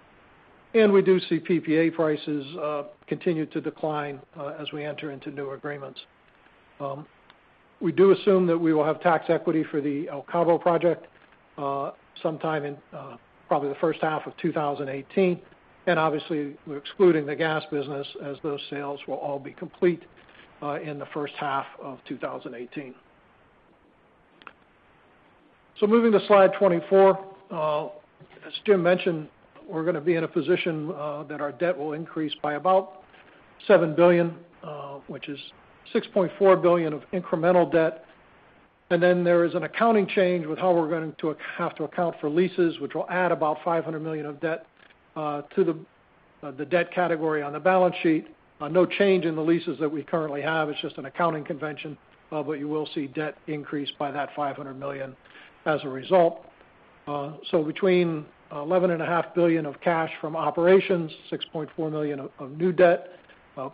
We do see PPA prices continue to decline as we enter into new agreements. We do assume that we will have tax equity for the El Cabo project sometime in probably the first half of 2018. Obviously, we're excluding the gas business as those sales will all be complete in the first half of 2018. Moving to slide 24. As Jim mentioned, we're going to be in a position that our debt will increase by about $7 billion, which is $6.4 billion of incremental debt. There is an accounting change with how we're going to have to account for leases, which will add about $500 million of debt to the debt category on the balance sheet. No change in the leases that we currently have. It's just an accounting convention. You will see debt increase by that $500 million as a result. Between $11.5 billion of cash from operations, $6.4 billion of new debt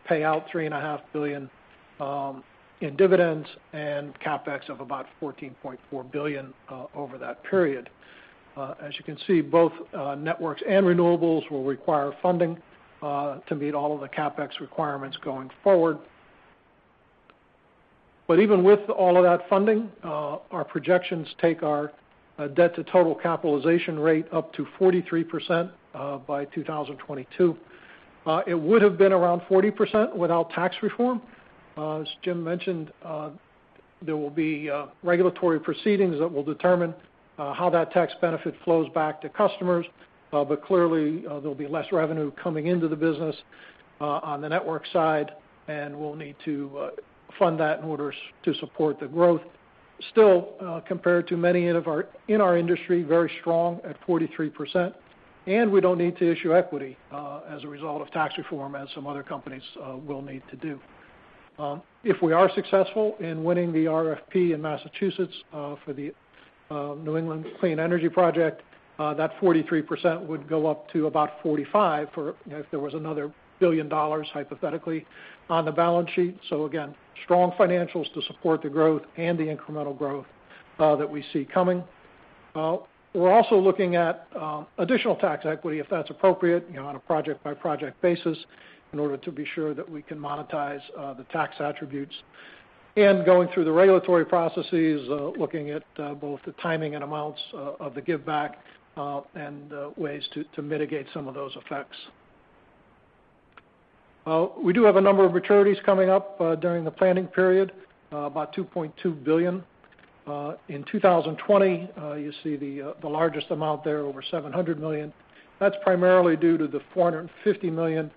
Pay out $3.5 billion in dividends and CapEx of about $14.4 billion over that period. As you can see, both networks and renewables will require funding to meet all of the CapEx requirements going forward. Even with all of that funding, our projections take our debt to total capitalization rate up to 43% by 2022. It would have been around 40% without tax reform. As Jim mentioned, there will be regulatory proceedings that will determine how that tax benefit flows back to customers. Clearly, there'll be less revenue coming into the business on the network side, and we'll need to fund that in order to support the growth. Still, compared to many in our industry, very strong at 43%, and we don't need to issue equity as a result of tax reform, as some other companies will need to do. If we are successful in winning the RFP in Massachusetts for the New England Clean Energy Connect, that 43% would go up to about 45% if there was another $1 billion hypothetically on the balance sheet. Again, strong financials to support the growth and the incremental growth that we see coming. We're also looking at additional tax equity, if that's appropriate, on a project-by-project basis in order to be sure that we can monetize the tax attributes. Going through the regulatory processes, looking at both the timing and amounts of the giveback, and ways to mitigate some of those effects. We do have a number of maturities coming up during the planning period, about $2.2 billion. In 2020, you see the largest amount there, over $700 million. That's primarily due to the $450 million,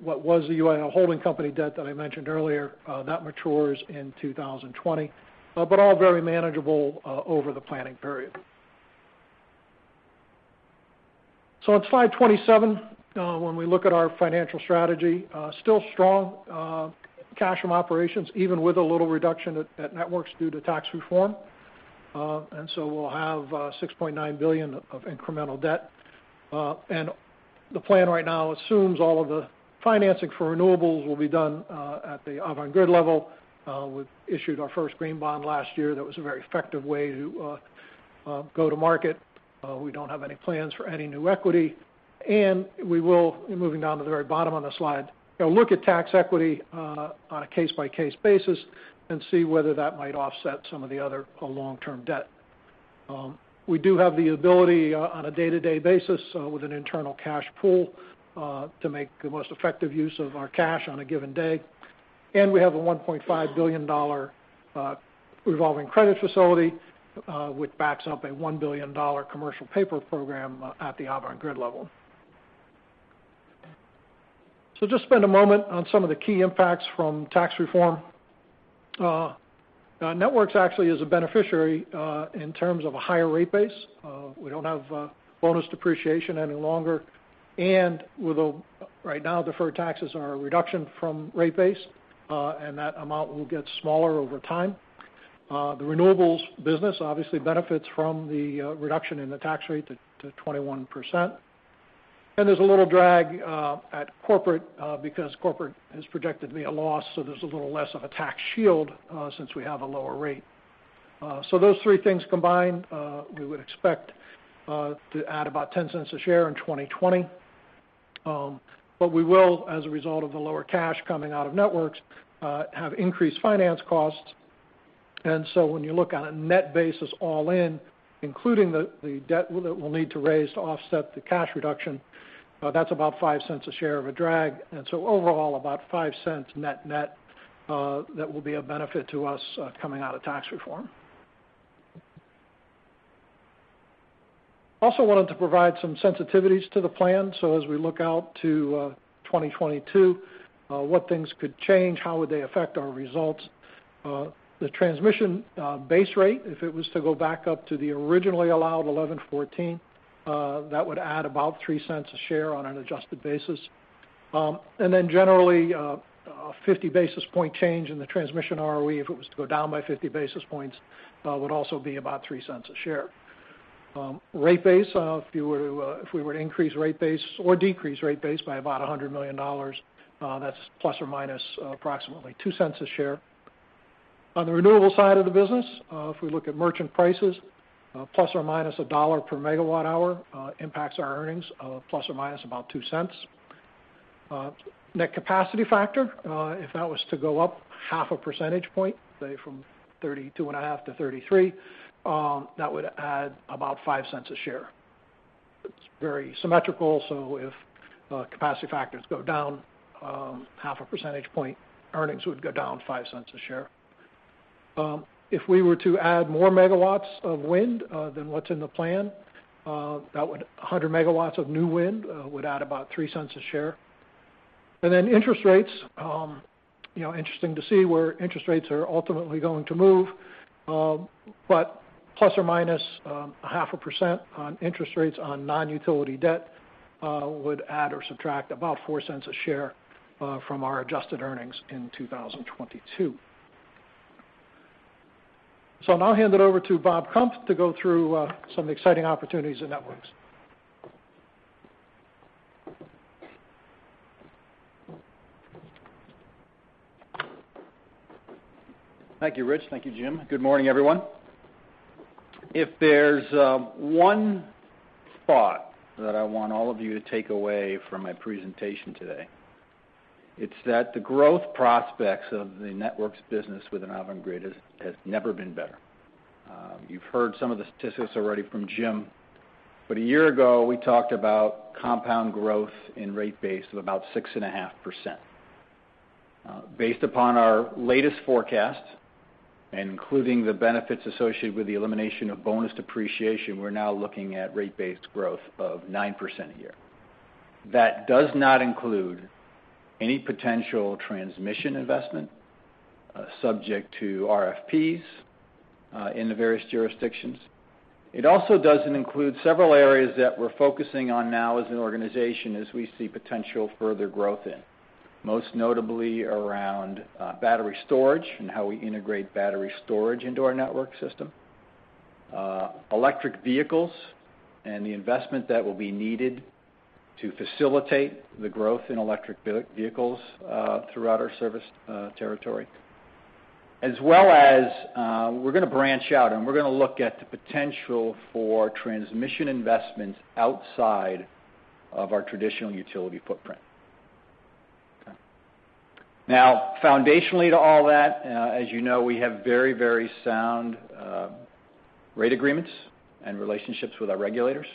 what was the UIL holding company debt that I mentioned earlier. That matures in 2020. All very manageable over the planning period. On slide 27, when we look at our financial strategy, still strong cash from operations, even with a little reduction at networks due to tax reform. We'll have $6.9 billion of incremental debt. The plan right now assumes all of the financing for renewables will be done at the Avangrid level. We've issued our first green bond last year. That was a very effective way to go to market. We don't have any plans for any new equity, and we will, moving down to the very bottom of the slide, look at tax equity on a case-by-case basis and see whether that might offset some of the other long-term debt. We do have the ability on a day-to-day basis with an internal cash pool, to make the most effective use of our cash on a given day. We have a $1.5 billion revolving credit facility, which backs up a $1 billion commercial paper program at the Avangrid level. Just spend a moment on some of the key impacts from tax reform. Networks actually is a beneficiary in terms of a higher rate base. We don't have bonus depreciation any longer, and right now, deferred taxes are a reduction from rate base, and that amount will get smaller over time. The renewables business obviously benefits from the reduction in the tax rate to 21%. There's a little drag at corporate, because corporate has projected to be a loss, so there's a little less of a tax shield since we have a lower rate. Those three things combined, we would expect to add about $0.10 a share in 2020. We will, as a result of the lower cash coming out of networks, have increased finance costs. When you look on a net basis all in, including the debt that we'll need to raise to offset the cash reduction, that's about $0.05 a share of a drag. Overall, about $0.05 net that will be a benefit to us coming out of tax reform. Also wanted to provide some sensitivities to the plan. As we look out to 2022, what things could change, how would they affect our results? The transmission base rate, if it was to go back up to the originally allowed 11.14, that would add about $0.03 a share on an adjusted basis. Generally, a 50-basis point change in the transmission ROE, if it was to go down by 50 basis points, would also be about $0.03 a share. Rate base, if we were to increase rate base or decrease rate base by about $100 million, that's plus or minus approximately $0.02 a share. On the renewable side of the business, if we look at merchant prices, plus or minus $1 per megawatt hour impacts our earnings plus or minus about $0.02. Net capacity factor, if that was to go up half a percentage point, say from 32.5 to 33, that would add about $0.05 a share. It's very symmetrical, so if capacity factors go down half a percentage point, earnings would go down $0.05 a share. If we were to add more megawatts of wind than what's in the plan, 100 megawatts of new wind would add about $0.03 a share. Interest rates, interesting to see where interest rates are ultimately going to move. Plus or minus 0.5% on interest rates on non-utility debt would add or subtract about $0.04 a share from our adjusted earnings in 2022. Now I'll hand it over to Bob Kump to go through some exciting opportunities in Avangrid Networks. Thank you, Rich. Thank you, Jim. Good morning, everyone. If there's one thought that I want all of you to take away from my presentation today, it's that the growth prospects of the networks business within Avangrid has never been better. You've heard some of the statistics already from Jim, but a year ago, we talked about compound growth in rate base of about 6.5%. Based upon our latest forecast, including the benefits associated with the elimination of bonus depreciation, we're now looking at rate-based growth of 9% a year. That does not include any potential transmission investment, subject to RFPs in the various jurisdictions. It also doesn't include several areas that we're focusing on now as an organization, as we see potential further growth in. Most notably around battery storage and how we integrate battery storage into our network system. Electric vehicles, the investment that will be needed to facilitate the growth in electric vehicles throughout our service territory. We're going to branch out and we're going to look at the potential for transmission investments outside of our traditional utility footprint. Okay. Foundationally to all that, as you know, we have very sound rate agreements and relationships with our regulators.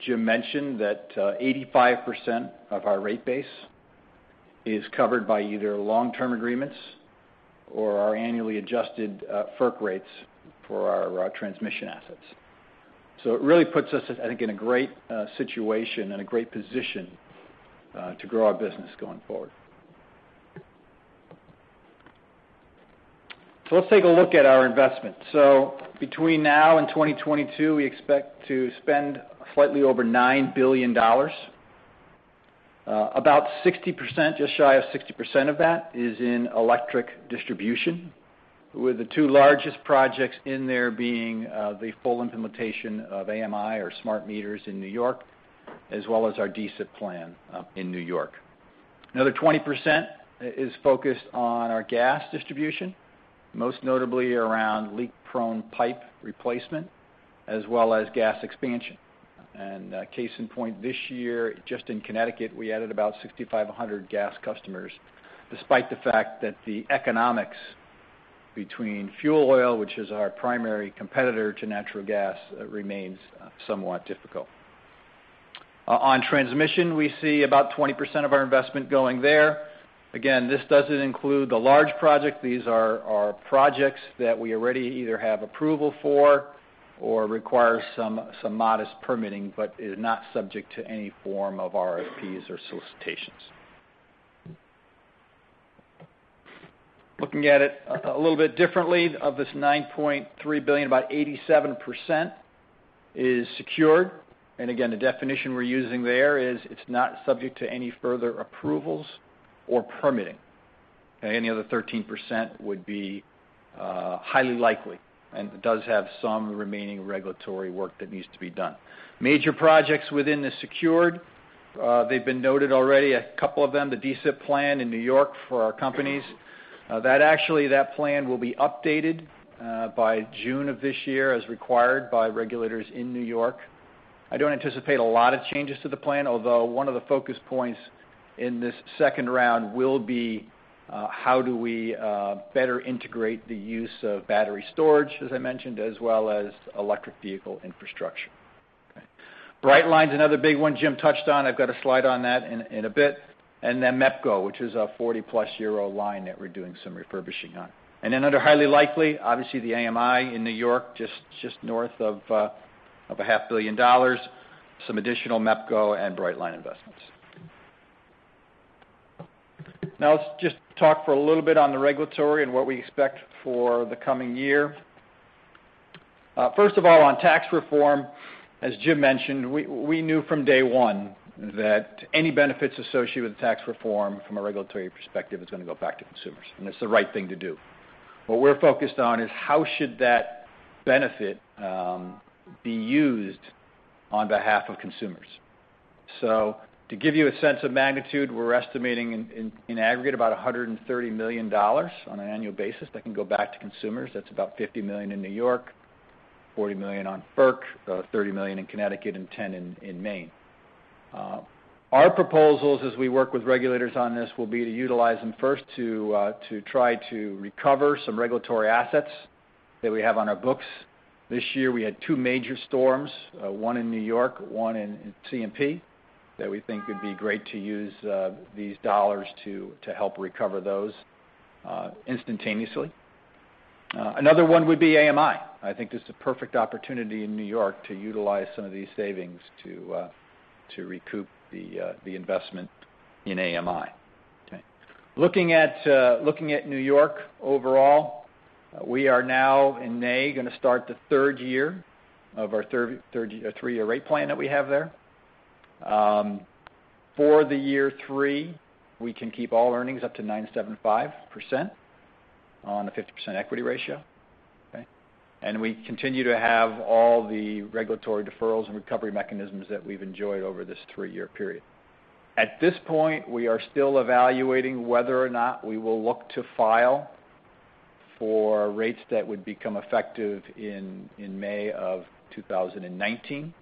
Jim mentioned that 85% of our rate base is covered by either long-term agreements or our annually adjusted FERC rates for our transmission assets. It really puts us, I think, in a great situation and a great position to grow our business going forward. Let's take a look at our investment. Between now and 2022, we expect to spend slightly over $9 billion. About 60%, just shy of 60% of that, is in electric distribution, with the two largest projects in there being the full implementation of AMI or smart meters in New York, as well as our DSIP plan in New York. Another 20% is focused on our gas distribution, most notably around leak-prone pipe replacement, as well as gas expansion. Case in point, this year, just in Connecticut, we added about 6,500 gas customers, despite the fact that the economics between fuel oil, which is our primary competitor to natural gas, remains somewhat difficult. On transmission, we see about 20% of our investment going there. Again, this doesn't include the large project. These are our projects that we already either have approval for or require some modest permitting, but is not subject to any form of RFPs or solicitations. Looking at it a little bit differently, of this $9.3 billion, about 87% is secured. Again, the definition we're using there is it's not subject to any further approvals or permitting. Okay. It does have some remaining regulatory work that needs to be done. Major projects within the secured, they've been noted already. A couple of them, the DSIP plan in New York for our companies. That plan will be updated by June of this year, as required by regulators in New York. I don't anticipate a lot of changes to the plan, although one of the focus points in this second round will be, how do we better integrate the use of battery storage, as I mentioned, as well as electric vehicle infrastructure. Okay. Brightline's another big one Jim touched on. I've got a slide on that in a bit. Then MEPCO, which is a 40-plus-year-old line that we're doing some refurbishing on. Then under highly likely, obviously the AMI in New York, just north of a half billion dollars. Some additional MEPCO and Brightline investments. Let's just talk for a little bit on the regulatory and what we expect for the coming year. First of all, on tax reform, as Jim mentioned, we knew from day one that any benefits associated with tax reform from a regulatory perspective is going to go back to consumers. It's the right thing to do. What we're focused on is how should that benefit be used on behalf of consumers. To give you a sense of magnitude, we're estimating in aggregate about $130 million on an annual basis that can go back to consumers. That's about $50 million in New York, $40 million on FERC, $30 million in Connecticut, and $10 million in Maine. Our proposals as we work with regulators on this will be to utilize them first to try to recover some regulatory assets that we have on our books. This year, we had two major storms, one in New York, one in CMP, that we think it'd be great to use these dollars to help recover those instantaneously. Another one would be AMI. I think this is a perfect opportunity in New York to utilize some of these savings to recoup the investment in AMI. Okay. Looking at New York overall, we are now in May going to start the third year of our three-year rate plan that we have there. For the year three, we can keep all earnings up to 9.75% on a 50% equity ratio, okay. We continue to have all the regulatory deferrals and recovery mechanisms that we've enjoyed over this three-year period. At this point, we are still evaluating whether or not we will look to file for rates that would become effective in May of 2019.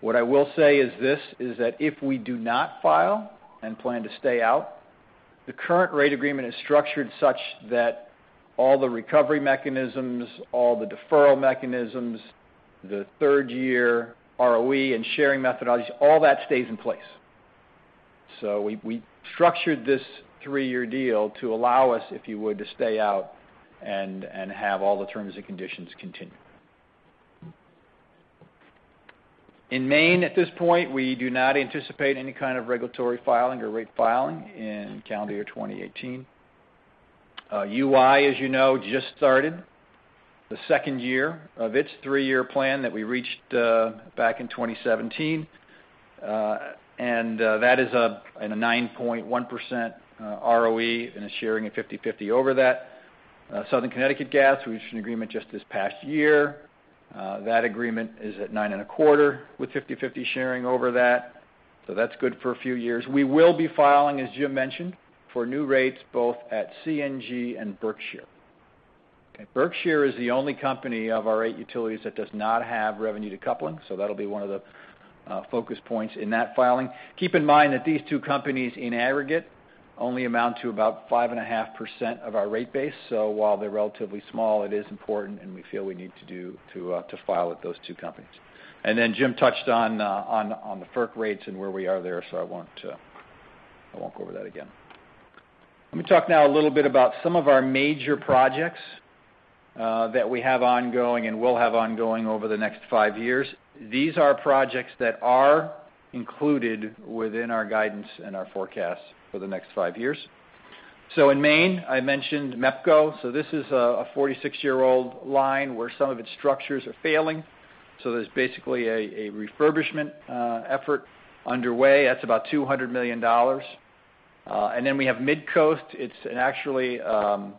What I will say is this: if we do not file and plan to stay out, the current rate agreement is structured such that all the recovery mechanisms, all the deferral mechanisms, the third-year ROE, and sharing methodologies, all that stays in place. We structured this three-year deal to allow us, if you would, to stay out and have all the terms and conditions continue. In Maine, at this point, we do not anticipate any kind of regulatory filing or rate filing in calendar year 2018. UI, as you know, just started the second year of its three-year plan that we reached back in 2017. That is a 9.1% ROE and a sharing of 50/50 over that. Southern Connecticut Gas, we reached an agreement just this past year. That agreement is at 9.25% with 50/50 sharing over that. That's good for a few years. We will be filing, as Jim mentioned, for new rates both at CNG and Berkshire. Okay. Berkshire is the only company of our eight utilities that does not have revenue decoupling, so that'll be one of the focus points in that filing. Keep in mind that these two companies in aggregate only amount to about 5.5% of our rate base. While they're relatively small, it is important, and we feel we need to file with those two companies. Jim touched on the FERC rates and where we are there, I won't go over that again. Let me talk now a little bit about some of our major projects that we have ongoing and will have ongoing over the next five years. These are projects that are included within our guidance and our forecast for the next five years. In Maine, I mentioned MEPCO. This is a 46-year-old line where some of its structures are failing. There's basically a refurbishment effort underway. That's about $200 million. We have MidCoast. It's actually a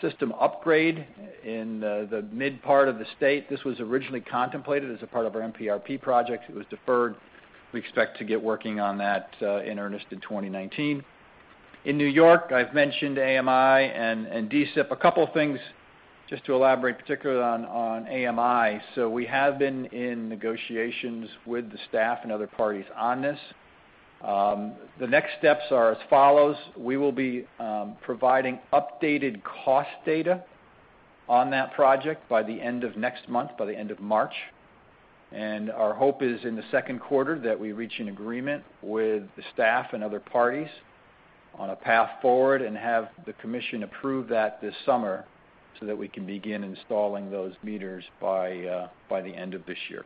system upgrade in the mid part of the state. This was originally contemplated as a part of our NPRP project. It was deferred. We expect to get working on that in earnest in 2019. In N.Y., I've mentioned AMI and DSIP. A couple of things just to elaborate, particularly on AMI. We have been in negotiations with the staff and other parties on this. The next steps are as follows. We will be providing updated cost data on that project by the end of next month, by the end of March. Our hope is in the second quarter that we reach an agreement with the staff and other parties on a path forward and have the commission approve that this summer so that we can begin installing those meters by the end of this year.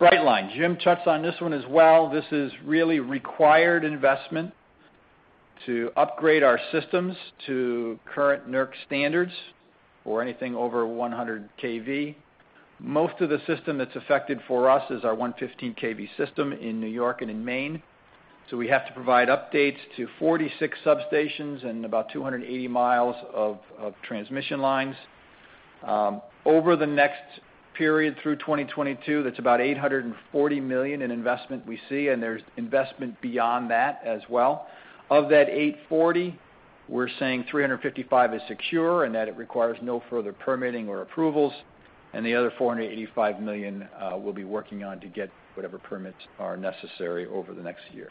Brightline. Jim touched on this one as well. This is really required investment to upgrade our systems to current NERC standards for anything over 100 kV. Most of the system that's affected for us is our 115 kV system in N.Y. and in Maine. We have to provide updates to 46 substations and about 280 miles of transmission lines. Over the next period through 2022, that's about $840 million in investment we see. There's investment beyond that as well. Of that $840 million, we're saying $355 million is secure and that it requires no further permitting or approvals, and the other $485 million we'll be working on to get whatever permits are necessary over the next year.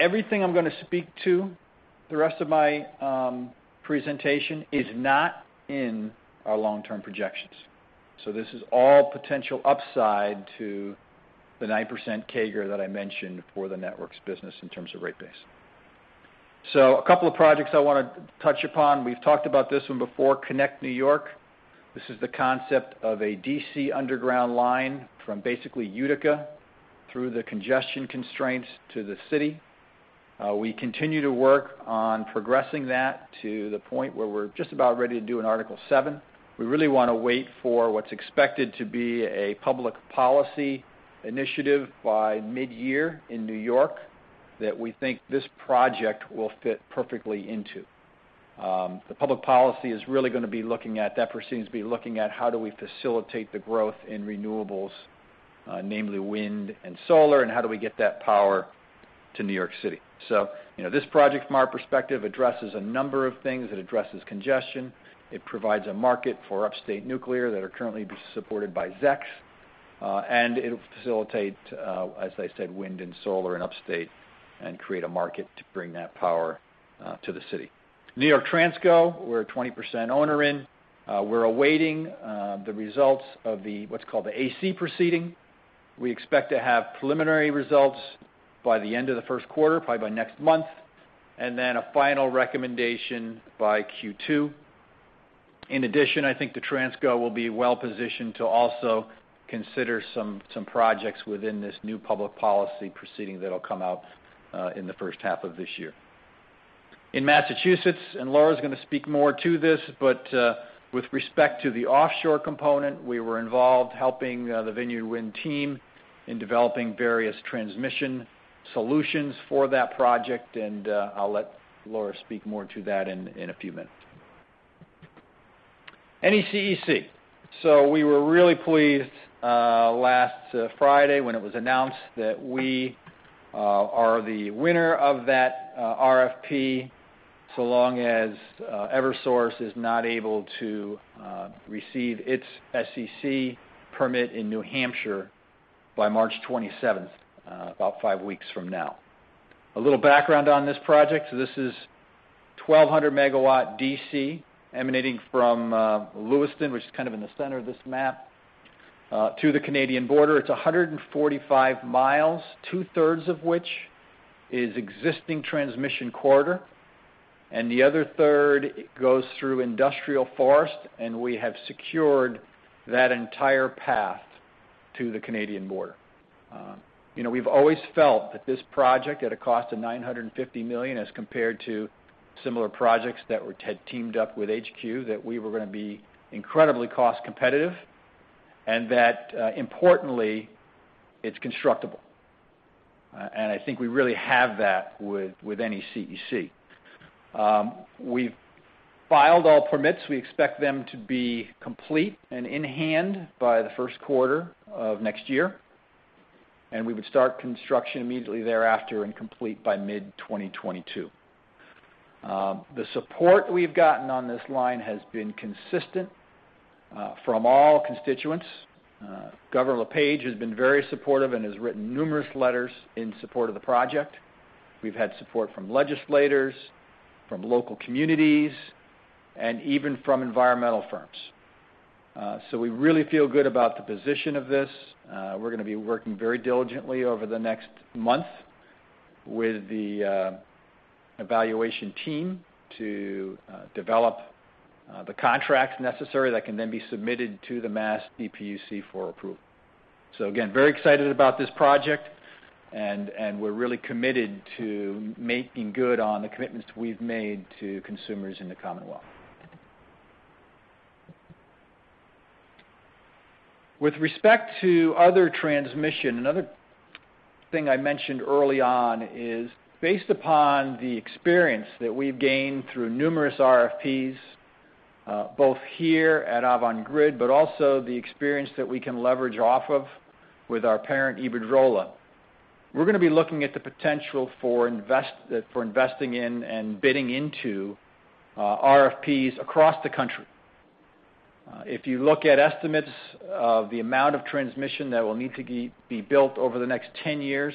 Everything I'm going to speak to the rest of my presentation is not in our long-term projections. This is all potential upside to the 9% CAGR that I mentioned for the networks business in terms of rate base. A couple of projects I want to touch upon. We've talked about this one before, Connect New York. This is the concept of a DC underground line from basically Utica through the congestion constraints to the city. We continue to work on progressing that to the point where we're just about ready to do an Article VII. We really want to wait for what's expected to be a public policy initiative by mid-year in New York that we think this project will fit perfectly into. The public policy that proceeds, we're looking at how do we facilitate the growth in renewables, namely wind and solar, and how do we get that power to New York City? This project, from our perspective, addresses a number of things. It addresses congestion, it provides a market for upstate nuclear that are currently supported by ZECs, and it'll facilitate, as I said, wind and solar in upstate and create a market to bring that power to the city. New York Transco, we're a 20% owner in. We're awaiting the results of what's called the AC proceeding. We expect to have preliminary results by the end of the first quarter, probably by next month, and then a final recommendation by Q2. I think the Transco will be well-positioned to also consider some projects within this new public policy proceeding that'll come out in the first half of this year. In Massachusetts, Laura's going to speak more to this, but with respect to the offshore component, we were involved helping the Vineyard Wind team in developing various transmission solutions for that project, and I'll let Laura speak more to that in a few minutes. NECEC. We were really pleased last Friday when it was announced that we are the winner of that RFP, so long as Eversource is not able to receive its SEC permit in New Hampshire by March 27th, about five weeks from now. A little background on this project, this is 1,200-megawatt DC emanating from Lewiston, which is kind of in the center of this map, to the Canadian border. It's 145 miles, two-thirds of which is existing transmission corridor, and the other third goes through industrial forest, and we have secured that entire path to the Canadian border. We've always felt that this project, at a cost of $950 million as compared to similar projects that were teamed up with HQ, that we were going to be incredibly cost competitive, and that importantly, it's constructible. I think we really have that with NECEC. We've filed all permits. We expect them to be complete and in hand by the first quarter of next year, and we would start construction immediately thereafter and complete by mid-2022. The support we've gotten on this line has been consistent from all constituents. Governor LePage has been very supportive and has written numerous letters in support of the project. We've had support from legislators, from local communities, and even from environmental firms. We really feel good about the position of this. We're going to be working very diligently over the next month with the evaluation team to develop the contracts necessary that can then be submitted to the Mass DPU for approval. Again, very excited about this project, and we're really committed to making good on the commitments we've made to consumers in the Commonwealth. With respect to other transmission, another thing I mentioned early on is based upon the experience that we've gained through numerous RFPs, both here at Avangrid, but also the experience that we can leverage off of with our parent, Iberdrola, we're going to be looking at the potential for investing in and bidding into RFPs across the country. If you look at estimates of the amount of transmission that will need to be built over the next 10 years,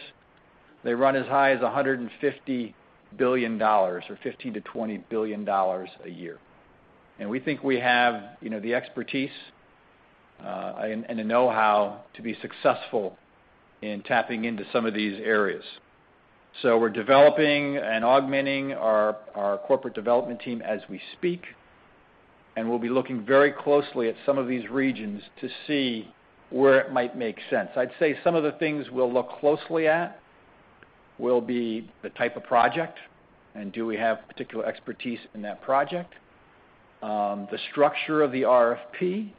they run as high as $150 billion, or $15 billion-$20 billion a year. We think we have the expertise and the know-how to be successful in tapping into some of these areas. We're developing and augmenting our corporate development team as we speak, and we'll be looking very closely at some of these regions to see where it might make sense. I'd say some of the things we'll look closely at will be the type of project, and do we have particular expertise in that project, the structure of the RFP,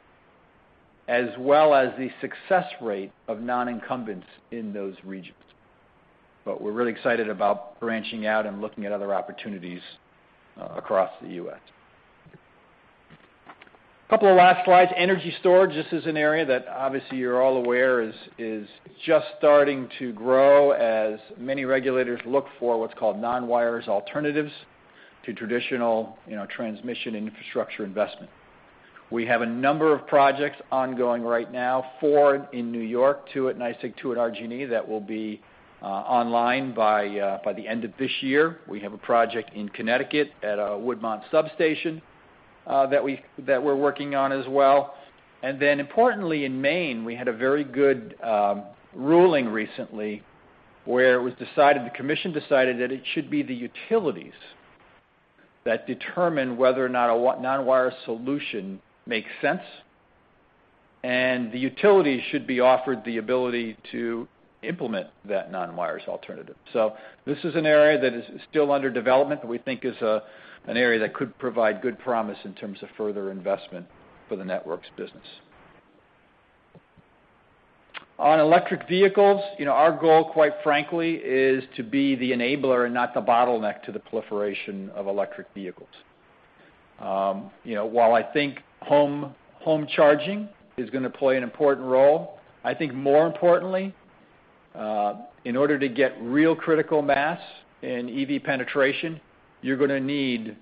as well as the success rate of non-incumbents in those regions. We're really excited about branching out and looking at other opportunities across the U.S. Couple of last slides. Energy storage, this is an area that obviously you're all aware is just starting to grow as many regulators look for what's called non-wires alternatives to traditional transmission infrastructure investment. We have a number of projects ongoing right now, four in New York, two at NYSEG, two at RG&E that will be online by the end of this year. We have a project in Connecticut at Woodmont Substation that we're working on as well. Then importantly, in Maine, we had a very good ruling recently where the commission decided that it should be the utilities that determine whether or not a non-wire solution makes sense, and the utilities should be offered the ability to implement that non-wires alternative. This is an area that is still under development, that we think is an area that could provide good promise in terms of further investment for the networks business. On electric vehicles, our goal, quite frankly, is to be the enabler and not the bottleneck to the proliferation of electric vehicles. While I think home charging is going to play an important role, I think more importantly, in order to get real critical mass in EV penetration, you're going to need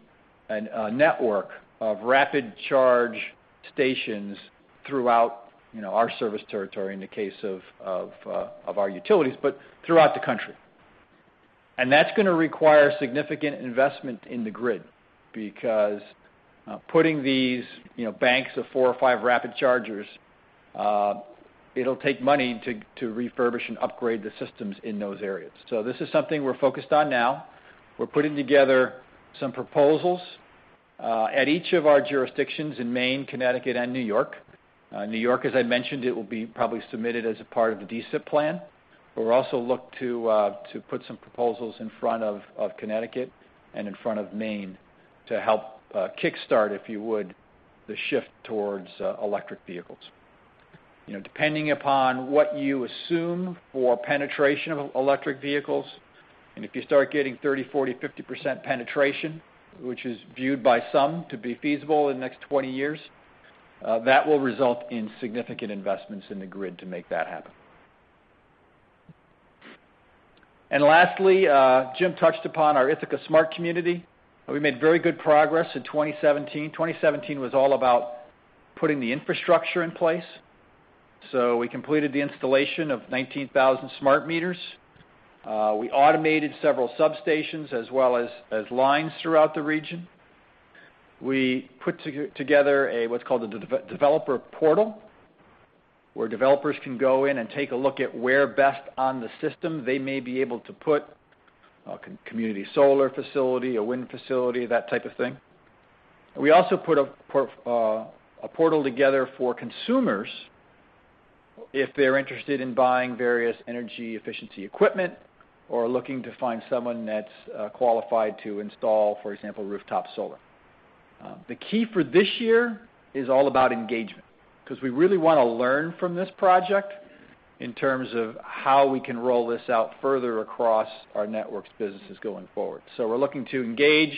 a network of rapid charge stations throughout our service territory in the case of our utilities, but throughout the country. That's going to require significant investment in the grid, because putting these banks of four or five rapid chargers- It'll take money to refurbish and upgrade the systems in those areas. This is something we're focused on now. We're putting together some proposals, at each of our jurisdictions in Maine, Connecticut, and New York. New York, as I mentioned, it will be probably submitted as a part of the DSIP plan, but we'll also look to put some proposals in front of Connecticut and in front of Maine to help kickstart, if you would, the shift towards electric vehicles. Depending upon what you assume for penetration of electric vehicles, and if you start getting 30%, 40%, 50% penetration, which is viewed by some to be feasible in the next 20 years, that will result in significant investments in the grid to make that happen. Lastly, Jim touched upon our Ithaca Smart Community. We made very good progress in 2017. 2017 was all about putting the infrastructure in place. We completed the installation of 19,000 smart meters. We automated several substations as well as lines throughout the region. We put together what's called a developer portal, where developers can go in and take a look at where best on the system they may be able to put a community solar facility, a wind facility, that type of thing. We also put a portal together for consumers if they're interested in buying various energy efficiency equipment or looking to find someone that's qualified to install, for example, rooftop solar. The key for this year is all about engagement, because we really want to learn from this project in terms of how we can roll this out further across our networks businesses going forward. We're looking to engage.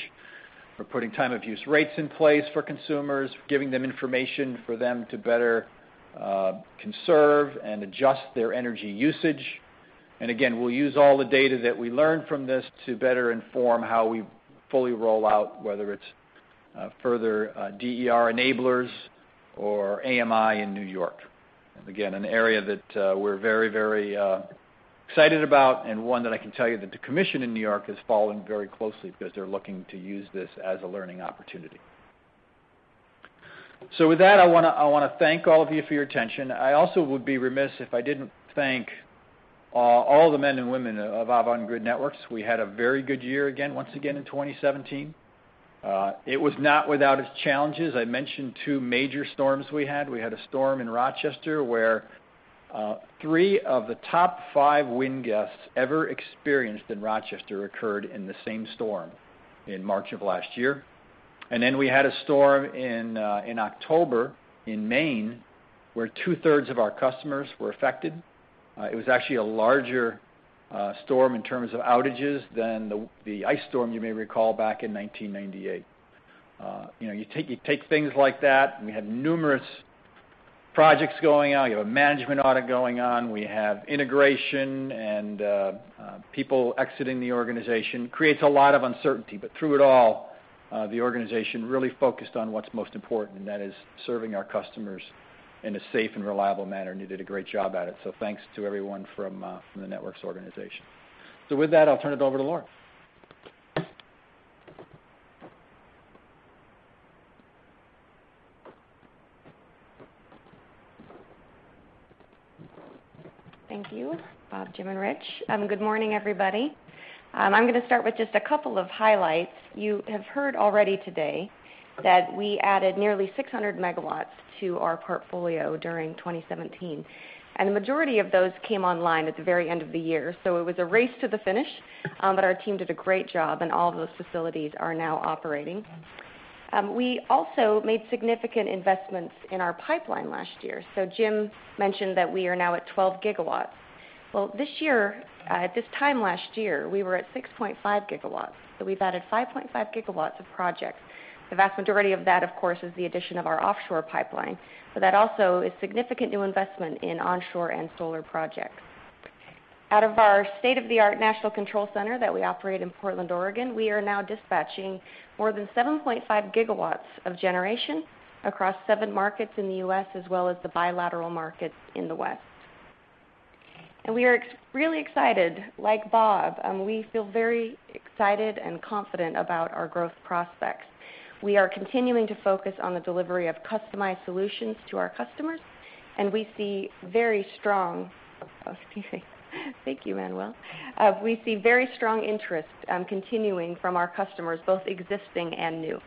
We're putting time-of-use rates in place for consumers, giving them information for them to better conserve and adjust their energy usage. Again, we'll use all the data that we learn from this to better inform how we fully roll out, whether it's further DER enablers or AMI in New York. Again, an area that we're very, very excited about and one that I can tell you that the commission in New York has followed very closely because they're looking to use this as a learning opportunity. With that, I want to thank all of you for your attention. I also would be remiss if I didn't thank all the men and women of Avangrid Networks. We had a very good year again, once again in 2017. It was not without its challenges. I mentioned two major storms we had. We had a storm in Rochester where three of the top five wind gusts ever experienced in Rochester occurred in the same storm in March of last year. Then we had a storm in October in Maine, where two-thirds of our customers were affected. It was actually a larger storm in terms of outages than the ice storm you may recall back in 1998. You take things like that, and we had numerous projects going on, you have a management audit going on, we have integration, and people exiting the organization. It creates a lot of uncertainty, through it all, the organization really focused on what's most important, and that is serving our customers in a safe and reliable manner, and they did a great job at it. Thanks to everyone from the Networks organization. With that, I'll turn it over to Laura. Thank you, Bob, Jim, and Rich. Good morning, everybody. I'm going to start with just a couple of highlights. You have heard already today that we added nearly 600 MW to our portfolio during 2017, and the majority of those came online at the very end of the year. It was a race to the finish. Our team did a great job, and all of those facilities are now operating. We also made significant investments in our pipeline last year. Jim mentioned that we are now at 12 GW. Well, this year, at this time last year, we were at 6.5 GW, so we've added 5.5 GW of projects. The vast majority of that, of course, is the addition of our offshore pipeline, that also is significant new investment in onshore and solar projects. Out of our state-of-the-art national control center that we operate in Portland, Oregon, we are now dispatching more than 7.5 GW of generation across seven markets in the U.S., as well as the bilateral markets in the West. We are really excited. Like Bob, we feel very excited and confident about our growth prospects. We are continuing to focus on the delivery of customized solutions to our customers, and we see very strong Oh, excuse me. Thank you, Manuel. We see very strong interest continuing from our customers, both existing and new.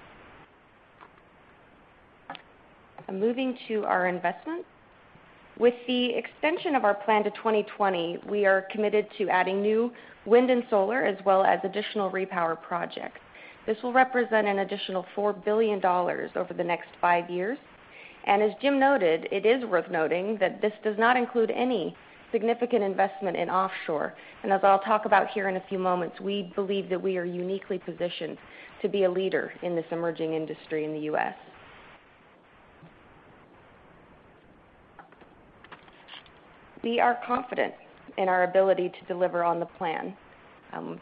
Moving to our investments. With the extension of our plan to 2020, we are committed to adding new wind and solar, as well as additional repower projects. This will represent an additional $4 billion over the next five years. As Jim noted, it is worth noting that this does not include any significant investment in offshore. As I'll talk about here in a few moments, we believe that we are uniquely positioned to be a leader in this emerging industry in the U.S. We are confident in our ability to deliver on the plan.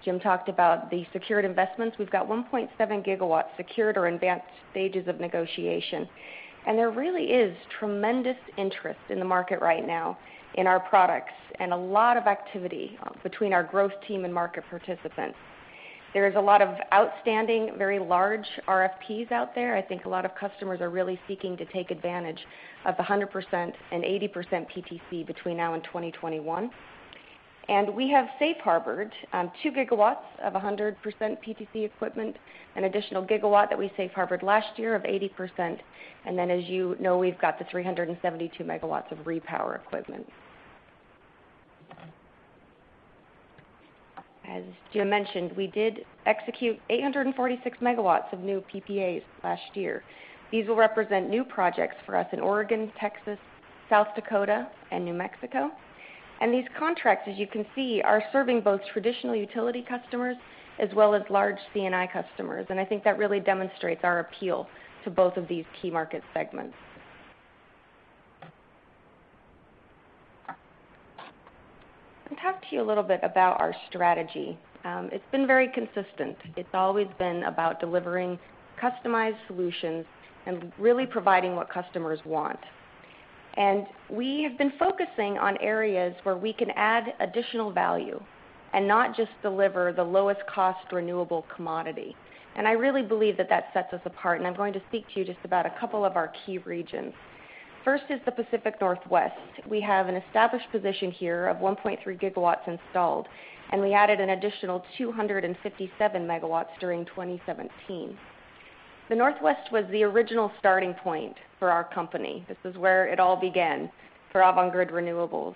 Jim talked about the secured investments. We've got 1.7 GW secured or in advanced stages of negotiation, there really is tremendous interest in the market right now in our products and a lot of activity between our growth team and market participants. There is a lot of outstanding, very large RFPs out there. I think a lot of customers are really seeking to take advantage of the 100% and 80% PTC between now and 2021. We have safe harbored 2 GW of 100% PTC equipment, an additional GW that we safe harbored last year of 80%, and then as you know, we've got the 372 MW of repower equipment. As Jim mentioned, we did execute 846 MW of new PPAs last year. These will represent new projects for us in Oregon, Texas, South Dakota, and New Mexico, these contracts, as you can see, are serving both traditional utility customers as well as large C&I customers, I think that really demonstrates our appeal to both of these key market segments. I'll talk to you a little bit about our strategy. It's been very consistent. It's always been about delivering customized solutions and really providing what customers want. We have been focusing on areas where we can add additional value and not just deliver the lowest cost renewable commodity. I really believe that that sets us apart, and I'm going to speak to you just about a couple of our key regions. First is the Pacific Northwest. We have an established position here of 1.3 gigawatts installed, we added an additional 257 megawatts during 2017. The Northwest was the original starting point for our company. This is where it all began for Avangrid Renewables.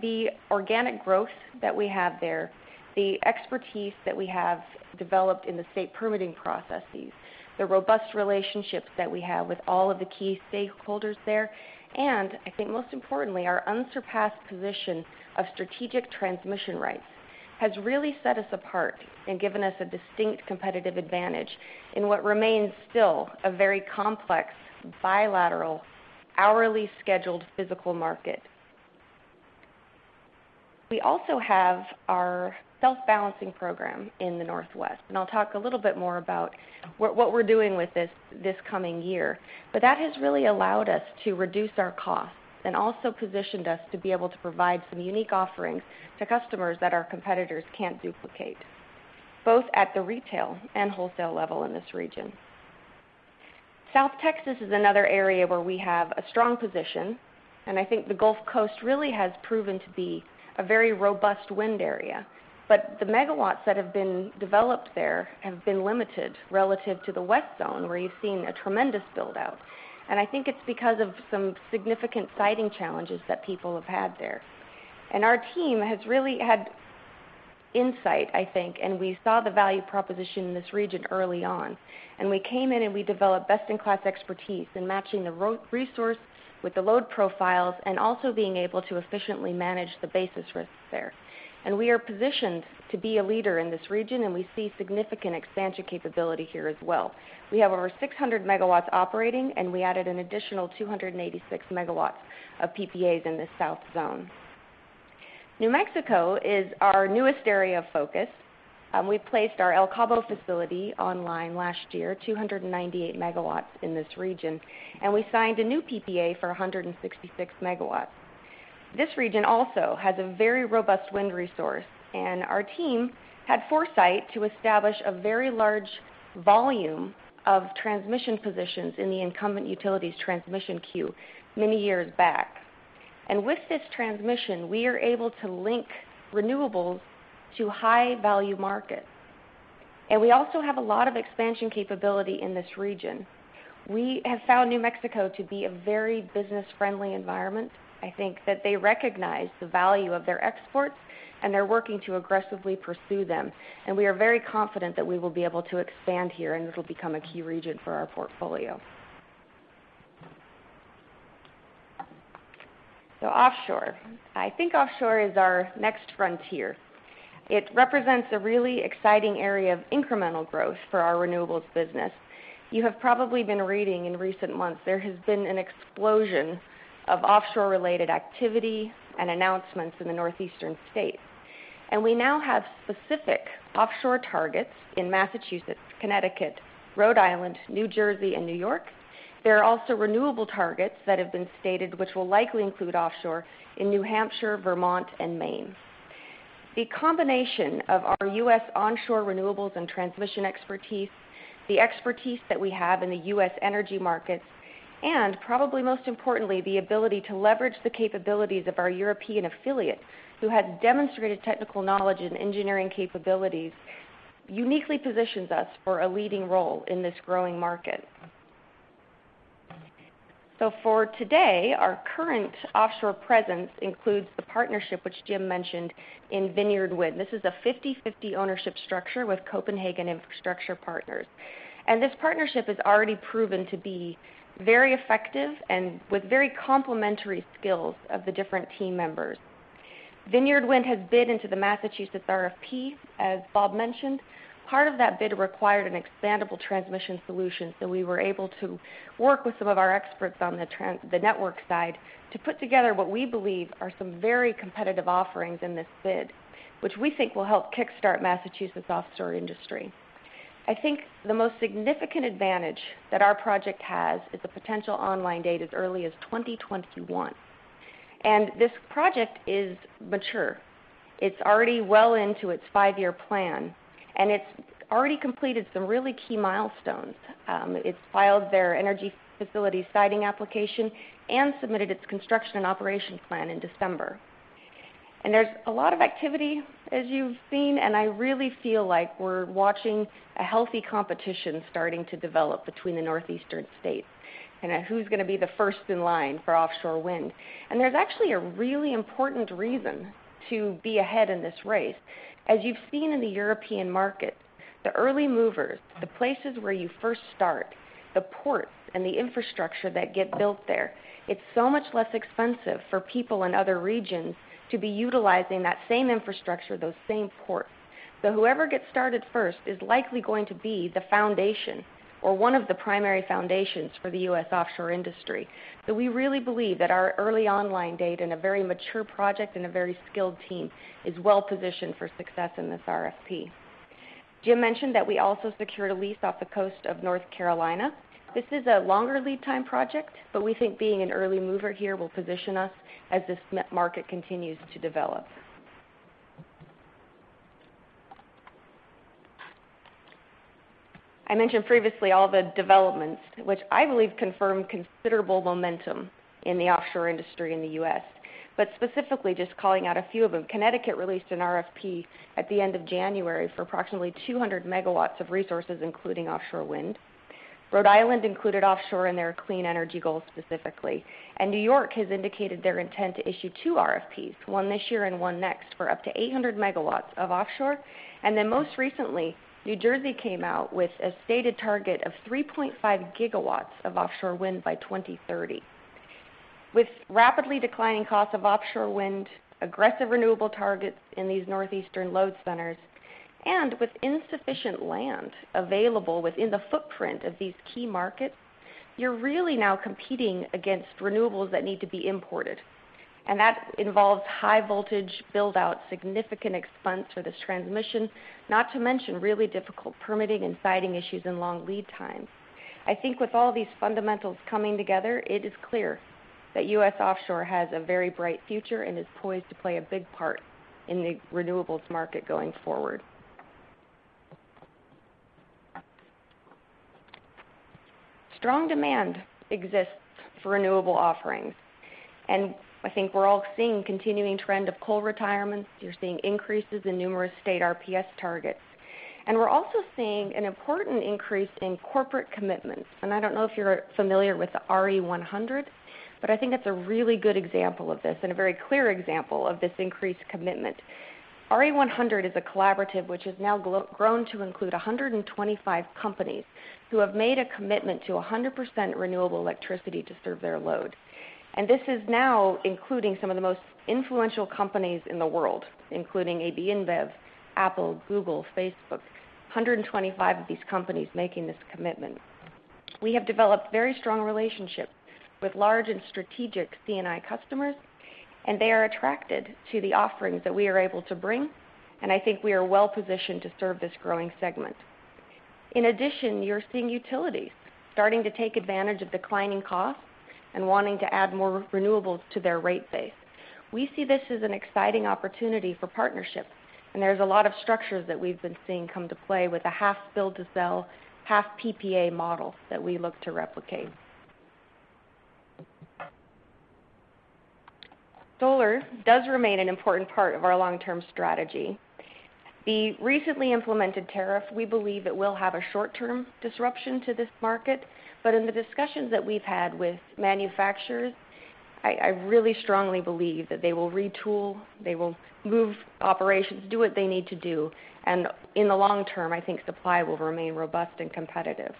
The organic growth that we have there, the expertise that we have developed in the state permitting processes, the robust relationships that we have with all of the key stakeholders there, I think most importantly, our unsurpassed position of strategic transmission rights has really set us apart and given us a distinct competitive advantage in what remains still a very complex, bilateral, hourly scheduled physical market. We also have our self-balancing program in the Northwest, I'll talk a little bit more about what we're doing with this coming year. That has really allowed us to reduce our costs and also positioned us to be able to provide some unique offerings to customers that our competitors can't duplicate, both at the retail and wholesale level in this region. South Texas is another area where we have a strong position, I think the Gulf Coast really has proven to be a very robust wind area. The megawatts that have been developed there have been limited relative to the West Zone, where you've seen a tremendous build-out, I think it's because of some significant siting challenges that people have had there. Our team has really had insight, I think, we saw the value proposition in this region early on. We came in and we developed best-in-class expertise in matching the resource with the load profiles and also being able to efficiently manage the basis risks there. We are positioned to be a leader in this region, we see significant expansion capability here as well. We have over 600 megawatts operating, we added an additional 286 megawatts of PPAs in the South Zone. New Mexico is our newest area of focus. We placed our El Cabo facility online last year, 298 megawatts in this region, we signed a new PPA for 166 megawatts. This region also has a very robust wind resource, our team had foresight to establish a very large volume of transmission positions in the incumbent utilities transmission queue many years back. With this transmission, we are able to link renewables to high-value markets. We also have a lot of expansion capability in this region. We have found New Mexico to be a very business-friendly environment. I think that they recognize the value of their exports, they're working to aggressively pursue them. We are very confident that we will be able to expand here, this will become a key region for our portfolio. Offshore. I think offshore is our next frontier. It represents a really exciting area of incremental growth for our renewables business. You have probably been reading in recent months, there has been an explosion of offshore-related activity and announcements in the Northeastern states. We now have specific offshore targets in Massachusetts, Connecticut, Rhode Island, New Jersey, and New York. There are also renewable targets that have been stated, which will likely include offshore in New Hampshire, Vermont, and Maine. The combination of our U.S. onshore renewables and transmission expertise, the expertise that we have in the U.S. energy markets, and probably most importantly, the ability to leverage the capabilities of our European affiliates, who have demonstrated technical knowledge and engineering capabilities, uniquely positions us for a leading role in this growing market. For today, our current offshore presence includes the partnership, which Jim mentioned, in Vineyard Wind. This is a 50/50 ownership structure with Copenhagen Infrastructure Partners. This partnership has already proven to be very effective and with very complementary skills of the different team members. Vineyard Wind has bid into the Massachusetts RFP, as Bob mentioned. Part of that bid required an expandable transmission solution, we were able to work with some of our experts on the network side to put together what we believe are some very competitive offerings in this bid, which we think will help kickstart Massachusetts' offshore industry. I think the most significant advantage that our project has is a potential online date as early as 2021. This project is mature. It's already well into its five-year plan, and it's already completed some really key milestones. It's filed their energy facility siting application and submitted its construction and operations plan in December. There's a lot of activity, as you've seen, and I really feel like we're watching a healthy competition starting to develop between the northeastern states, who's going to be the first in line for offshore wind. There's actually a really important reason to be ahead in this race. As you've seen in the European market, the early movers, the places where you first start, the ports, and the infrastructure that get built there, it's so much less expensive for people in other regions to be utilizing that same infrastructure, those same ports. Whoever gets started first is likely going to be the foundation or one of the primary foundations for the U.S. offshore industry. We really believe that our early online date, and a very mature project, and a very skilled team is well-positioned for success in this RFP. Jim mentioned that we also secured a lease off the coast of North Carolina. This is a longer lead time project, but we think being an early mover here will position us as this market continues to develop. I mentioned previously all the developments, which I believe confirm considerable momentum in the offshore industry in the U.S., but specifically just calling out a few of them, Connecticut released an RFP at the end of January for approximately 200 megawatts of resources, including offshore wind. Rhode Island included offshore in their clean energy goals specifically. New York has indicated their intent to issue two RFPs, one this year and one next, for up to 800 megawatts of offshore. Most recently, New Jersey came out with a stated target of 3.5 gigawatts of offshore wind by 2030. With rapidly declining costs of offshore wind, aggressive renewable targets in these northeastern load centers, and with insufficient land available within the footprint of these key markets, you're really now competing against renewables that need to be imported. That involves high voltage build-out, significant expense for this transmission, not to mention really difficult permitting and siting issues and long lead times. I think with all these fundamentals coming together, it is clear that U.S. offshore has a very bright future and is poised to play a big part in the renewables market going forward. Strong demand exists for renewable offerings. I think we're all seeing continuing trend of coal retirements. You're seeing increases in numerous state RPS targets. We're also seeing an important increase in corporate commitments. I don't know if you're familiar with the RE100, but I think that's a really good example of this, and a very clear example of this increased commitment. RE100 is a collaborative which has now grown to include 125 companies who have made a commitment to 100% renewable electricity to serve their load. This is now including some of the most influential companies in the world, including AB InBev, Apple, Google, Facebook, 125 of these companies making this commitment. We have developed very strong relationships with large and strategic C&I customers. They are attracted to the offerings that we are able to bring. I think we are well-positioned to serve this growing segment. In addition, you're seeing utilities starting to take advantage of declining costs and wanting to add more renewables to their rate base. We see this as an exciting opportunity for partnership, and there's a lot of structures that we've been seeing come to play with a half build-to-sell, half PPA model that we look to replicate. Solar does remain an important part of our long-term strategy. The recently implemented tariff, we believe it will have a short-term disruption to this market, but in the discussions that we've had with manufacturers, I really strongly believe that they will retool, they will move operations, do what they need to do, and in the long term, I think supply will remain robust and competitive.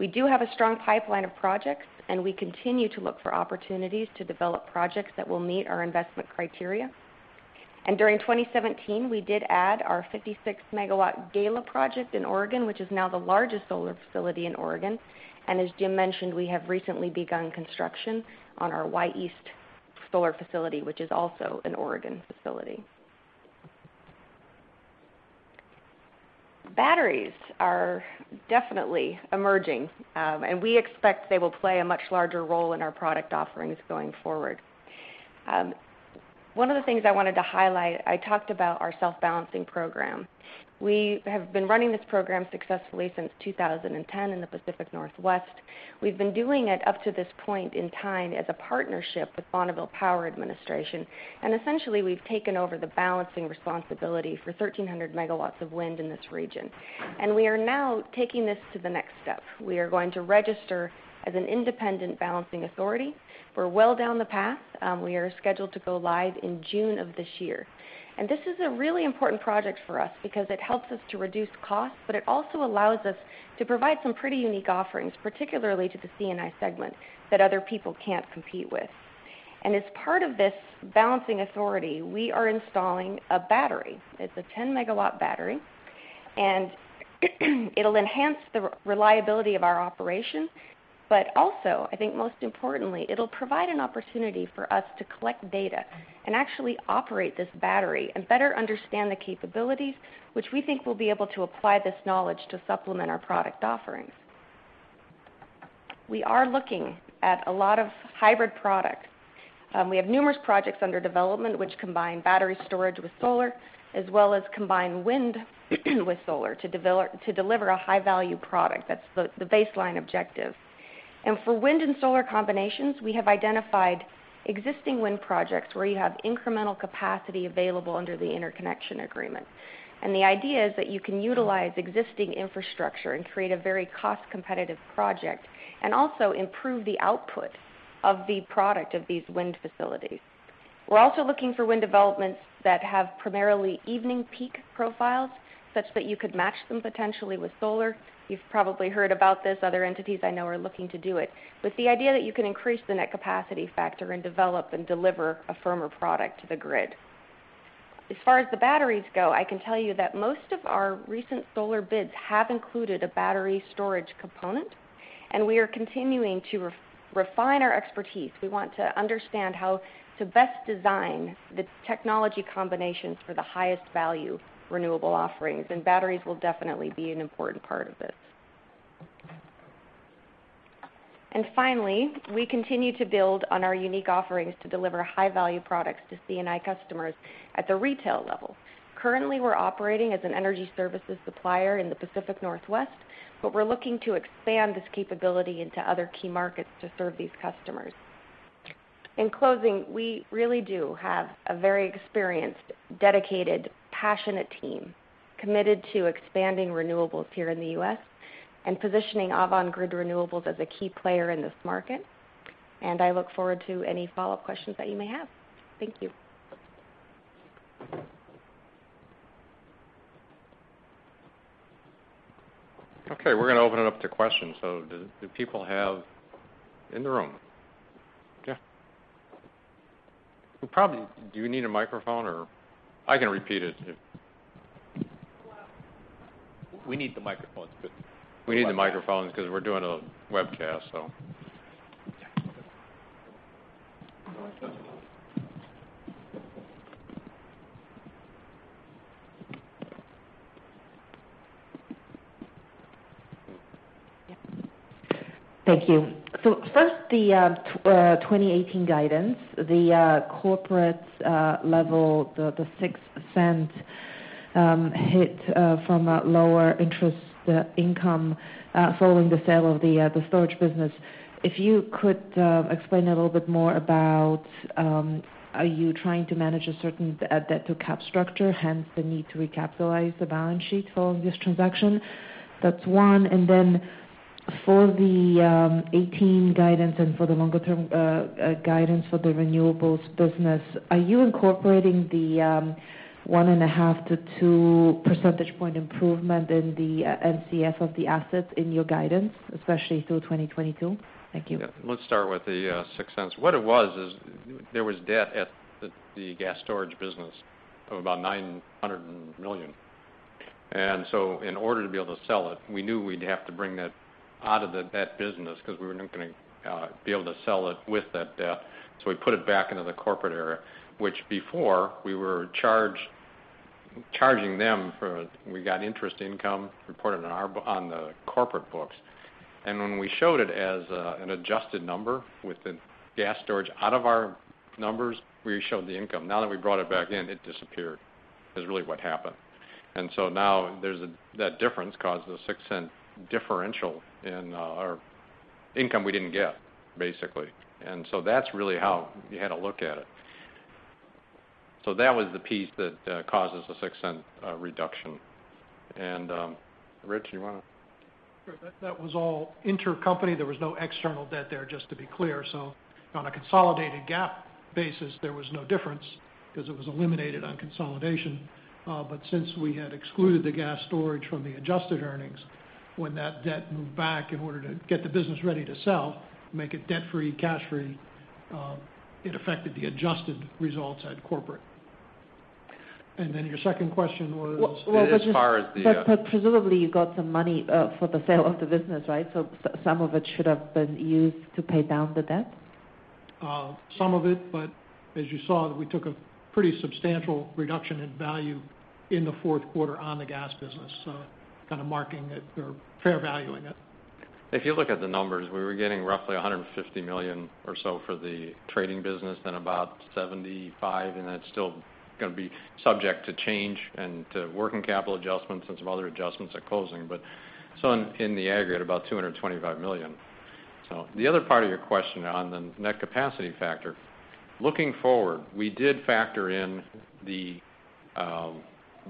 We do have a strong pipeline of projects, and we continue to look for opportunities to develop projects that will meet our investment criteria. During 2017, we did add our 56 MW Gala project in Oregon, which is now the largest solar facility in Oregon. As Jim mentioned, we have recently begun construction on our Wy East solar facility, which is also an Oregon facility. Batteries are definitely emerging, and we expect they will play a much larger role in our product offerings going forward. One of the things I wanted to highlight, I talked about our self-balancing program. We have been running this program successfully since 2010 in the Pacific Northwest. We've been doing it up to this point in time as a partnership with Bonneville Power Administration. Essentially, we've taken over the balancing responsibility for 1,300 MW of wind in this region. We are now taking this to the next step. We are going to register as an independent balancing authority. We're well down the path. We are scheduled to go live in June of this year. This is a really important project for us because it helps us to reduce costs, but it also allows us to provide some pretty unique offerings, particularly to the C&I segment, that other people can't compete with. As part of this balancing authority, we are installing a battery. It's a 10-megawatt battery, it'll enhance the reliability of our operations. Also, I think most importantly, it'll provide an opportunity for us to collect data and actually operate this battery and better understand the capabilities, which we think we'll be able to apply this knowledge to supplement our product offerings. We are looking at a lot of hybrid product. We have numerous projects under development which combine battery storage with solar, as well as combine wind with solar to deliver a high-value product. That's the baseline objective. For wind and solar combinations, we have identified existing wind projects where you have incremental capacity available under the interconnection agreement. The idea is that you can utilize existing infrastructure and create a very cost-competitive project, also improve the output of the product of these wind facilities. We're also looking for wind developments that have primarily evening peak profiles, such that you could match them potentially with solar. You've probably heard about this. Other entities I know are looking to do it, with the idea that you can increase the net capacity factor and develop and deliver a firmer product to the grid. As far as the batteries go, I can tell you that most of our recent solar bids have included a battery storage component, we are continuing to refine our expertise. We want to understand how to best design the technology combinations for the highest value renewable offerings, batteries will definitely be an important part of this. Finally, we continue to build on our unique offerings to deliver high-value products to C&I customers at the retail level. Currently, we're operating as an energy services supplier in the Pacific Northwest, we're looking to expand this capability into other key markets to serve these customers. In closing, we really do have a very experienced, dedicated, passionate team committed to expanding renewables here in the U.S. and positioning Avangrid Renewables as a key player in this market. I look forward to any follow-up questions that you may have. Thank you. Okay, we're going to open it up to questions. Do people have In the room? Yeah. Do you need a microphone, or I can repeat it. Well- We need the microphones because we're doing a webcast. Thank you. First, the 2018 guidance, the corporate level, the $0.06 hit from lower interest income following the sale of the storage business. If you could explain a little bit more about, are you trying to manage a certain debt to cap structure, hence the need to recapitalize the balance sheet following this transaction? That's one. Then for the 2018 guidance and for the longer-term guidance for the renewables business, are you incorporating the one and a half to two percentage point improvement in the NCF of the assets in your guidance, especially through 2022? Thank you. Yeah. Let's start with the $0.06. What it was is there was debt at the gas storage business of about $900 million. In order to be able to sell it, we knew we'd have to bring that out of that business because we weren't going to be able to sell it with that debt. We put it back into the corporate area, which before, we were charging them for. We got interest income reported on the corporate books. When we showed it as an adjusted number with the gas storage out of our numbers, we showed the income. Now that we brought it back in, it disappeared, is really what happened. Now, that difference caused the $0.06 differential in our income we didn't get, basically. That's really how you had to look at it. That was the piece that causes the $0.06 reduction. Rich, you want to? Sure. That was all intercompany. There was no external debt there, just to be clear. On a consolidated GAAP basis, there was no difference because it was eliminated on consolidation. Since we had excluded the gas storage from the adjusted earnings, when that debt moved back in order to get the business ready to sell, make it debt-free, cash-free, it affected the adjusted results at corporate. Your second question was? It is far as the- Presumably, you got some money for the sale of the business, right? Some of it should have been used to pay down the debt? Some of it, as you saw, we took a pretty substantial reduction in value in the fourth quarter on the gas business. Kind of fair valuing it. If you look at the numbers, we were getting roughly $150 million or so for the trading business, then about $75 million, and that's still going to be subject to change and to working capital adjustments and some other adjustments at closing. In the aggregate, about $225 million. The other part of your question on the net capacity factor. Looking forward, we did factor in the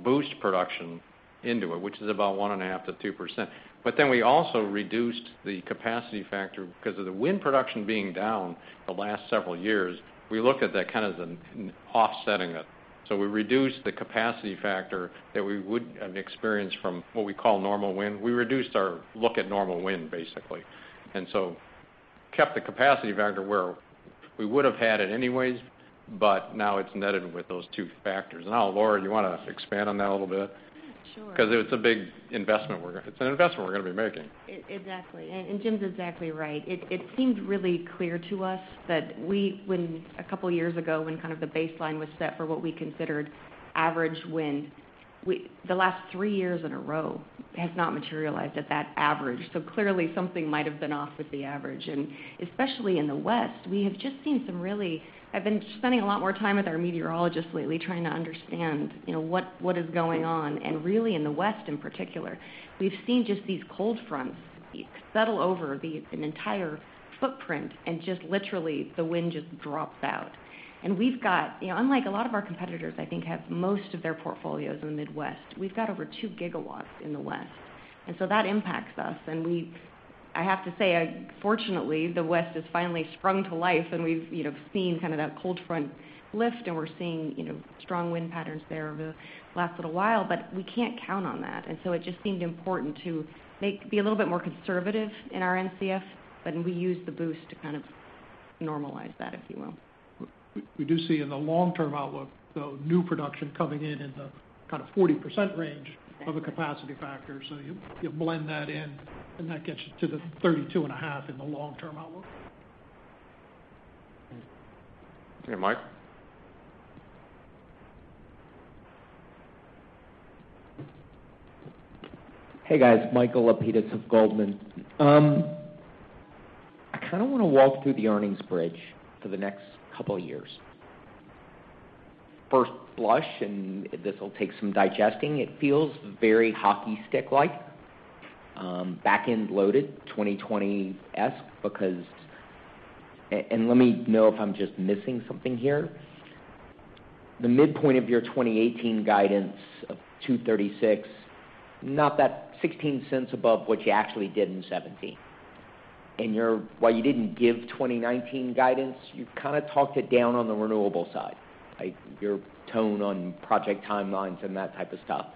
boost production into it, which is about 1.5%-2%. We also reduced the capacity factor because of the wind production being down the last several years. We looked at that kind of offsetting it. We reduced the capacity factor that we would experience from what we call normal wind. We reduced our look at normal wind, basically. Kept the capacity factor where we would've had it anyways, but now it's netted with those two factors. Now, Laura, you want to expand on that a little bit? Yeah, sure. Because it's a big investment we're going to be making. Exactly. Jim's exactly right. It seemed really clear to us that a couple of years ago, when kind of the baseline was set for what we considered average wind, the last three years in a row has not materialized at that average. Clearly something might have been off with the average, and especially in the West. I've been spending a lot more time with our meteorologists lately trying to understand what is going on. Really in the West in particular, we've seen just these cold fronts settle over an entire footprint and just literally the wind just drops out. Unlike a lot of our competitors, I think have most of their portfolios in the Midwest, we've got over two gigawatts in the West, that impacts us. I have to say, fortunately, the West has finally sprung to life, we've seen kind of that cold front lift, we're seeing strong wind patterns there over the last little while, we can't count on that. It just seemed important to be a little bit more conservative in our NCF, we use the boost to kind of normalize that, if you will. We do see in the long-term outlook, the new production coming in the kind of 40% range of a capacity factor. You blend that in, that gets you to the 32.5 in the long-term outlook. Okay, Mike? Hey, guys. Michael Lapides of Goldman Sachs. I kind of want to walk through the earnings bridge for the next couple of years. First blush, and this'll take some digesting, it feels very hockey stick-like, backend loaded 2020-esque because. Let me know if I'm just missing something here. The midpoint of your 2018 guidance of $2.36, not that $0.16 above what you actually did in 2017. While you didn't give 2019 guidance, you kind of talked it down on the renewable side, your tone on project timelines and that type of stuff.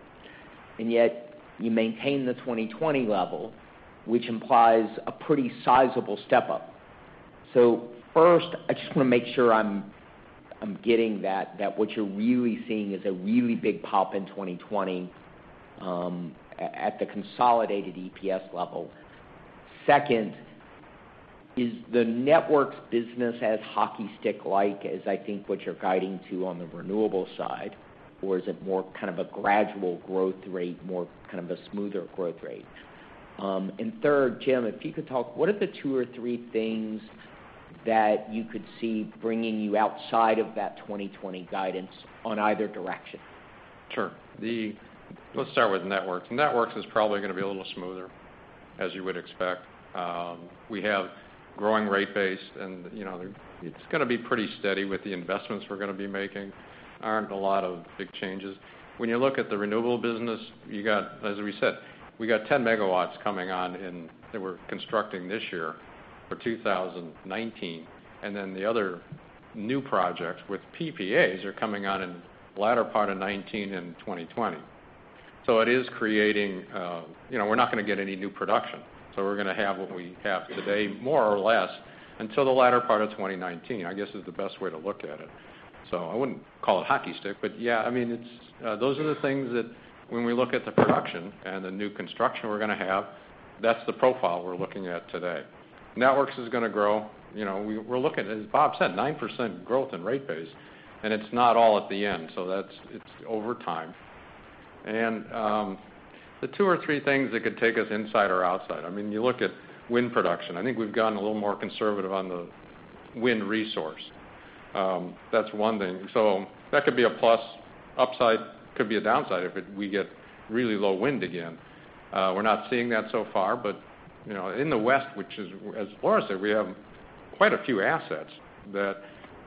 Yet you maintain the 2020 level, which implies a pretty sizable step-up. First, I just want to make sure I'm getting that what you're really seeing is a really big pop in 2020, at the consolidated EPS level. Second, is the Avangrid Networks business as hockey stick-like as I think what you're guiding to on the renewable side? Or is it more kind of a gradual growth rate, more kind of a smoother growth rate? Third, Jim, if you could talk, what are the 2 or 3 things that you could see bringing you outside of that 2020 guidance on either direction? Sure. Let's start with Avangrid Networks. Avangrid Networks is probably going to be a little smoother, as you would expect. We have growing rate base and it's going to be pretty steady with the investments we're going to be making. There aren't a lot of big changes. When you look at the renewable business, as we said, we got 10 MW coming on, and that we're constructing this year for 2019. The other new projects with PPAs are coming on in the latter part of 2019 and 2020. We're not going to get any new production. We're going to have what we have today, more or less until the latter part of 2019, I guess, is the best way to look at it. I wouldn't call it hockey stick, but yeah, those are the things that when we look at the production and the new construction we're going to have, that's the profile we're looking at today. Avangrid Networks is going to grow. As Bob said, 9% growth in rate base, and it's not all at the end, so it's over time. The 2 or 3 things that could take us inside or outside, you look at wind production. I think we've gotten a little more conservative on the wind resource. That's 1 thing. That could be a plus upside, could be a downside if we get really low wind again. We're not seeing that so far, but in the west, which as Laura said, we have quite a few assets that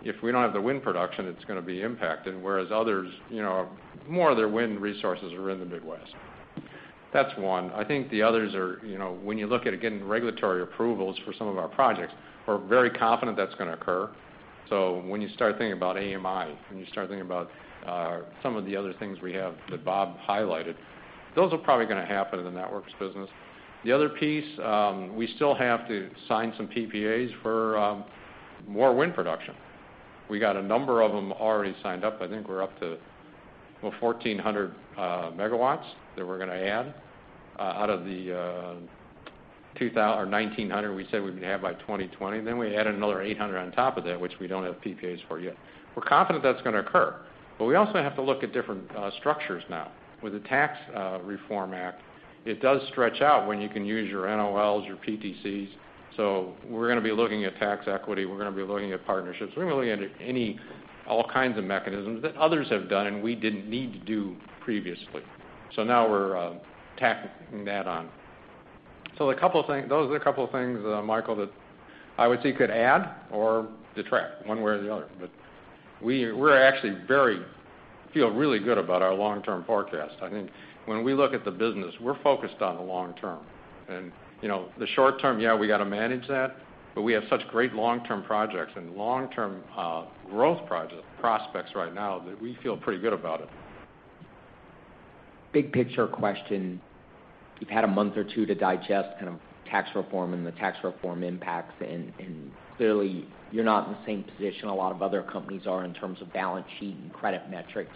if we don't have the wind production, it's going to be impacted, whereas others, more of their wind resources are in the Midwest. That's one. I think the others are when you look at getting regulatory approvals for some of our projects, we're very confident that's going to occur. When you start thinking about AMI, when you start thinking about some of the other things we have that Bob highlighted, those are probably going to happen in the Networks business. The other piece, we still have to sign some PPAs for more wind production. We got a number of them already signed up. I think we're up to 1,400 megawatts that we're going to add, out of the 1,900 we said we'd have by 2020. We add another 800 on top of that, which we don't have PPAs for yet. We're confident that's going to occur. We also have to look at different structures now. With the Tax Reform Act, it does stretch out when you can use your NOLs, your PTCs. We're going to be looking at tax equity. We're going to be looking at partnerships. We're going to be looking at all kinds of mechanisms that others have done and we didn't need to do previously. Now we're tacking that on. Those are the couple things, Michael, that I would say could add or detract one way or the other. We actually feel really good about our long-term forecast. I think when we look at the business, we're focused on the long term. The short term, yeah, we got to manage that, but we have such great long-term projects and long-term growth prospects right now that we feel pretty good about it. Big picture question. You've had a month or two to digest kind of Tax Reform and the Tax Reform impacts. Clearly you're not in the same position a lot of other companies are in terms of balance sheet and credit metrics.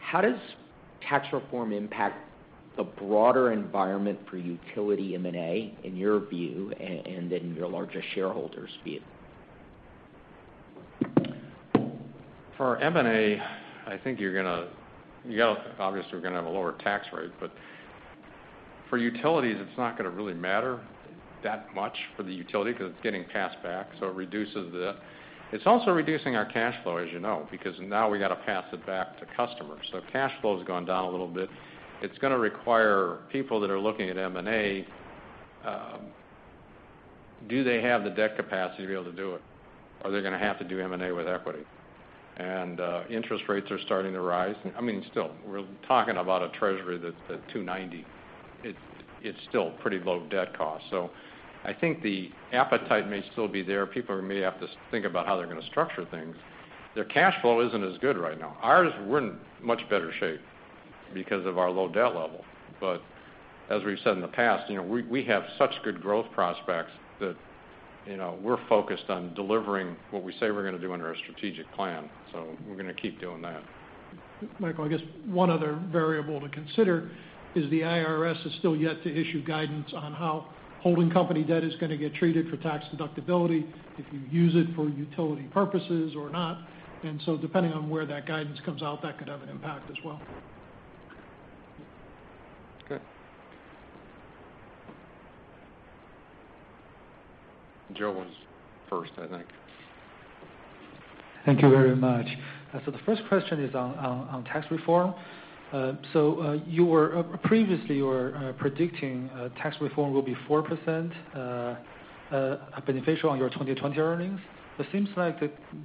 How does Tax Reform impact the broader environment for utility M&A in your view and in your larger shareholders' view? For M&A, I think you're going to obviously have a lower tax rate. For utilities, it's not going to really matter that much for the utility because it's getting passed back. It reduces it. It's also reducing our cash flow, as you know, because now we've got to pass it back to customers. Cash flow's gone down a little bit. It's going to require people that are looking at M&A, do they have the debt capacity to be able to do it? Are they going to have to do M&A with equity? Interest rates are starting to rise. Still, we're talking about a treasury that's at 290. It's still pretty low debt cost. I think the appetite may still be there. People may have to think about how they're going to structure things. Their cash flow isn't as good right now. Ours, we're in much better shape because of our low debt level. As we've said in the past, we have such good growth prospects that we're focused on delivering what we say we're going to do under our strategic plan. We're going to keep doing that. Michael, I guess one other variable to consider is the IRS is still yet to issue guidance on how holding company debt is going to get treated for tax deductibility if you use it for utility purposes or not. Depending on where that guidance comes out, that could have an impact as well. Okay. Joe was first, I think. Thank you very much. The first question is on tax reform. Previously, you were predicting tax reform will be 4% beneficial on your 2020 earnings. It seems like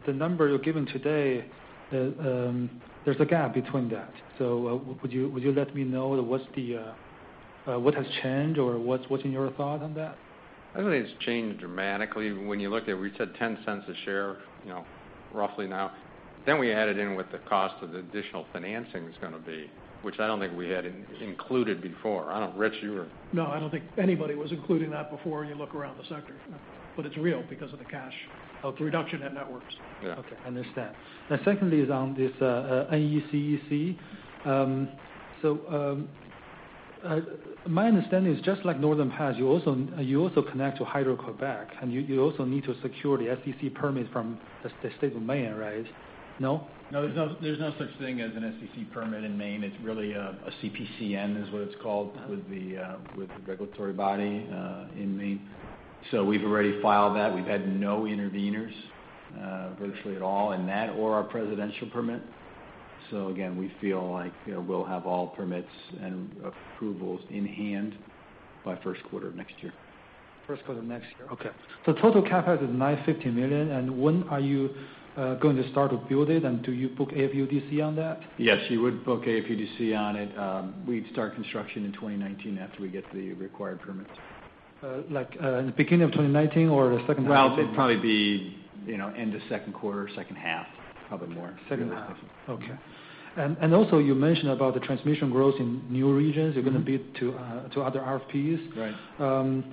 the number you are giving today, there is a gap between that. Would you let me know what has changed or what is in your thought on that? I do not think it has changed dramatically. When you looked at, we said $0.10 a share roughly now. We added in what the cost of the additional financing is going to be, which I do not think we had included before. I do not know, Rich, you were. No, I do not think anybody was including that before you look around the sector. It is real because of the cash reduction at Networks. Yeah. Okay, understand. Secondly is on this NECEC. My understanding is just like Northern Pass, you also connect to Hydro-Québec, and you also need to secure the FERC permit from the State of Maine, right? No? No, there's no such thing as an FERC permit in Maine. It's really a CPCN is what it's called with the regulatory body in Maine. We've already filed that. We've had no interveners virtually at all in that or our presidential permit. Again, we feel like we'll have all permits and approvals in hand by first quarter of next year. First quarter next year. Okay. Total CapEx is $950 million, and when are you going to start to build it, and do you book AFUDC on that? Yes, you would book AFUDC on it. We'd start construction in 2019 after we get the required permits. Like beginning of 2019 or the second half of 2019? Well, it'd probably be end of second quarter, second half, probably more. Second half. Okay. Also you mentioned about the transmission growth in new regions. You're going to bid to other RFPs. Right.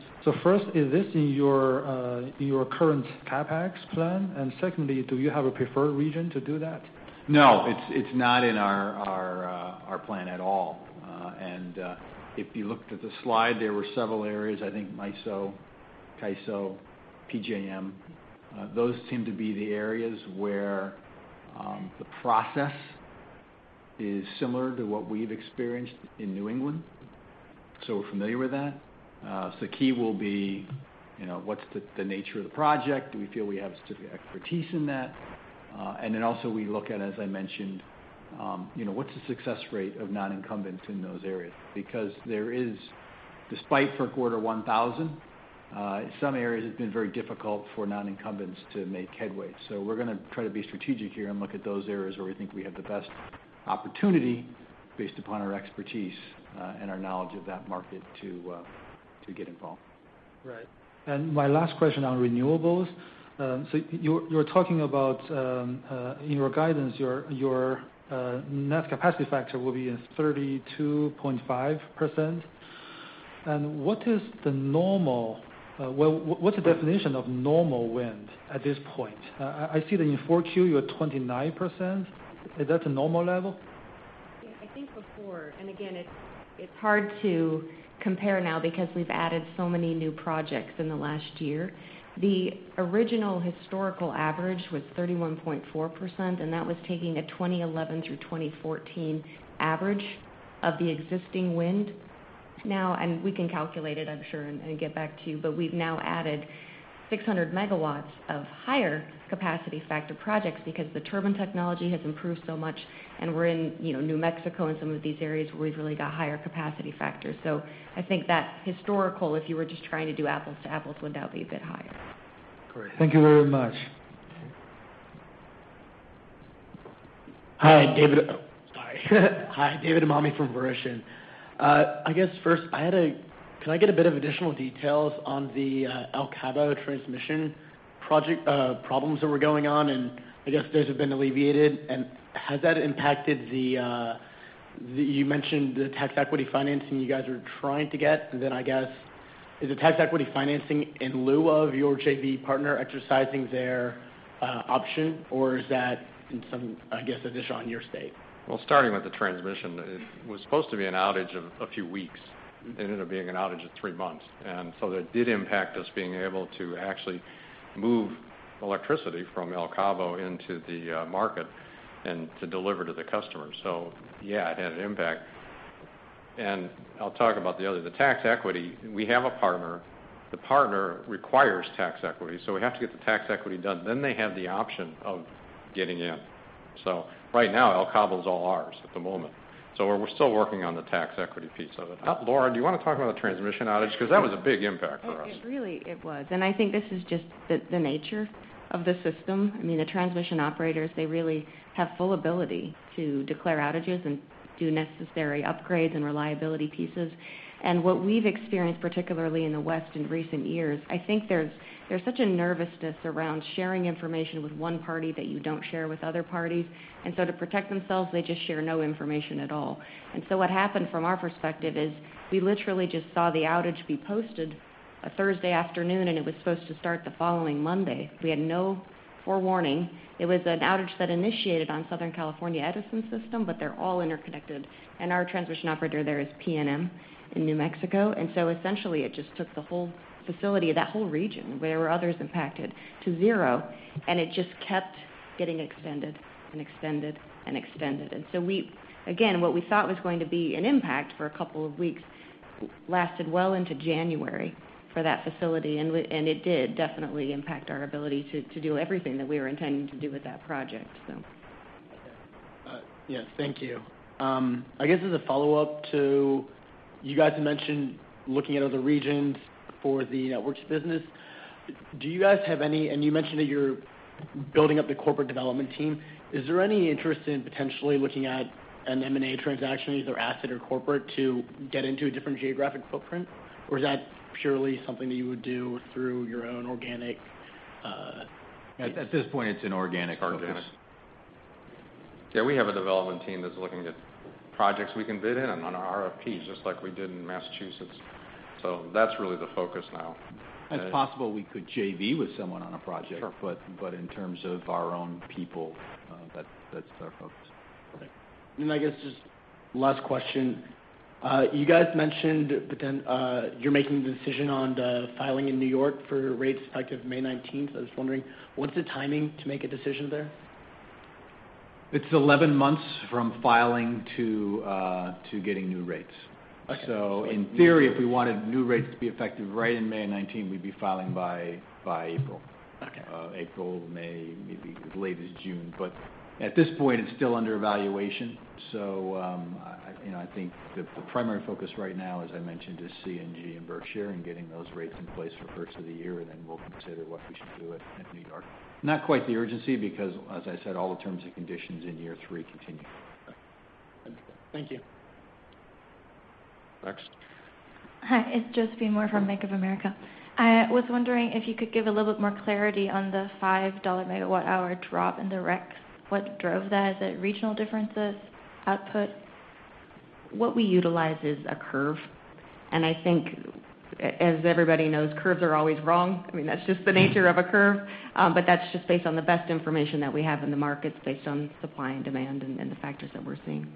First, is this in your current CapEx plan? Secondly, do you have a preferred region to do that? No, it's not in our plan at all. If you looked at the slide, there were several areas, I think MISO, CAISO, PJM. Those seem to be the areas where the process is similar to what we've experienced in New England, we're familiar with that. Key will be what's the nature of the project? Do we feel we have specific expertise in that? Then also we look at, as I mentioned, what's the success rate of non-incumbents in those areas? Because there is, despite Order 1000, some areas have been very difficult for non-incumbents to make headway. We're going to try to be strategic here and look at those areas where we think we have the best opportunity based upon our expertise and our knowledge of that market to get involved. Right. My last question on renewables. You're talking about in your guidance, your net capacity factor will be at 32.5%. What is the normal, what's the definition of normal wind at this point? I see that in Q4, you're at 29%. Is that a normal level? I think before, again, it's hard to compare now because we've added so many new projects in the last year. The original historical average was 31.4%, and that was taking a 2011 through 2014 average of the existing wind. Now, we can calculate it, I'm sure, and get back to you, but we've now added 600 megawatts of higher capacity factor projects because the turbine technology has improved so much, and we're in New Mexico and some of these areas where we've really got higher capacity factors. I think that historical, if you were just trying to do apples to apples, would now be a bit higher. Great. Thank you very much. Okay. Hi, David. Oh, sorry. Hi, David Umami from Verition. First, can I get a bit of additional details on the El Cabo transmission problems that were going on, those have been alleviated, has that impacted. You mentioned the tax equity financing you guys are trying to get. Is the tax equity financing in lieu of your JV partner exercising their option, or is that in some addition on your state? Starting with the transmission, it was supposed to be an outage of a few weeks. It ended up being an outage of 3 months. That did impact us being able to actually move electricity from El Cabo into the market and to deliver to the customers. Yeah, it had an impact. I'll talk about the other. The tax equity, we have a partner. The partner requires tax equity, we have to get the tax equity done, then they have the option of getting in. Right now, El Cabo's all ours at the moment. We're still working on the tax equity piece of it. Laura, do you want to talk about the transmission outage? Because that was a big impact for us. It really was. I think this is just the nature of the system. The transmission operators, they really have full ability to declare outages and do necessary upgrades and reliability pieces. What we've experienced, particularly in the West in recent years, I think there's such a nervousness around sharing information with one party that you don't share with other parties. To protect themselves, they just share no information at all. What happened from our perspective is we literally just saw the outage be posted a Thursday afternoon, and it was supposed to start the following Monday. We had no forewarning. It was an outage that initiated on Southern California Edison's system, they're all interconnected. Our transmission operator there is PNM in New Mexico. Essentially, it just took the whole facility, that whole region where there were others impacted, to zero, and it just kept getting extended and extended and extended. Again, what we thought was going to be an impact for a couple of weeks lasted well into January for that facility, and it did definitely impact our ability to do everything that we were intending to do with that project. Yes. Thank you. I guess as a follow-up to you guys mentioning looking at other regions for the networks business. You mentioned that you're building up the corporate development team. Is there any interest in potentially looking at an M&A transaction, either asset or corporate, to get into a different geographic footprint? Or is that purely something that you would do through your own organic At this point, it's an organic focus. Organic. Yeah, we have a development team that's looking at projects we can bid in on RFPs, just like we did in Massachusetts. That's really the focus now. It's possible we could JV with someone on a project. Sure. In terms of our own people, that's our focus. Right. I guess just last question. You guys mentioned that you're making the decision on the filing in New York for rates effective May 19th. I was just wondering, what's the timing to make a decision there? It's 11 months from filing to getting new rates. Okay. In theory, if we wanted new rates to be effective right in May 19, we'd be filing by April. Okay. April, May, maybe as late as June. At this point, it's still under evaluation. I think the primary focus right now, as I mentioned, is CNG and Berkshire Gas and getting those rates in place for the first of the year, then we'll consider what we should do at New York. Not quite the urgency because, as I said, all the terms and conditions in year three continue. Understood. Thank you. Next. Hi, it's Josephine Moore from Bank of America. I was wondering if you could give a little bit more clarity on the $5 megawatt hour drop in the RECs. What drove that? Is it regional differences, output? What we utilize is a curve, and I think, as everybody knows, curves are always wrong. That's just the nature of a curve. That's just based on the best information that we have in the markets based on supply and demand and the factors that we're seeing.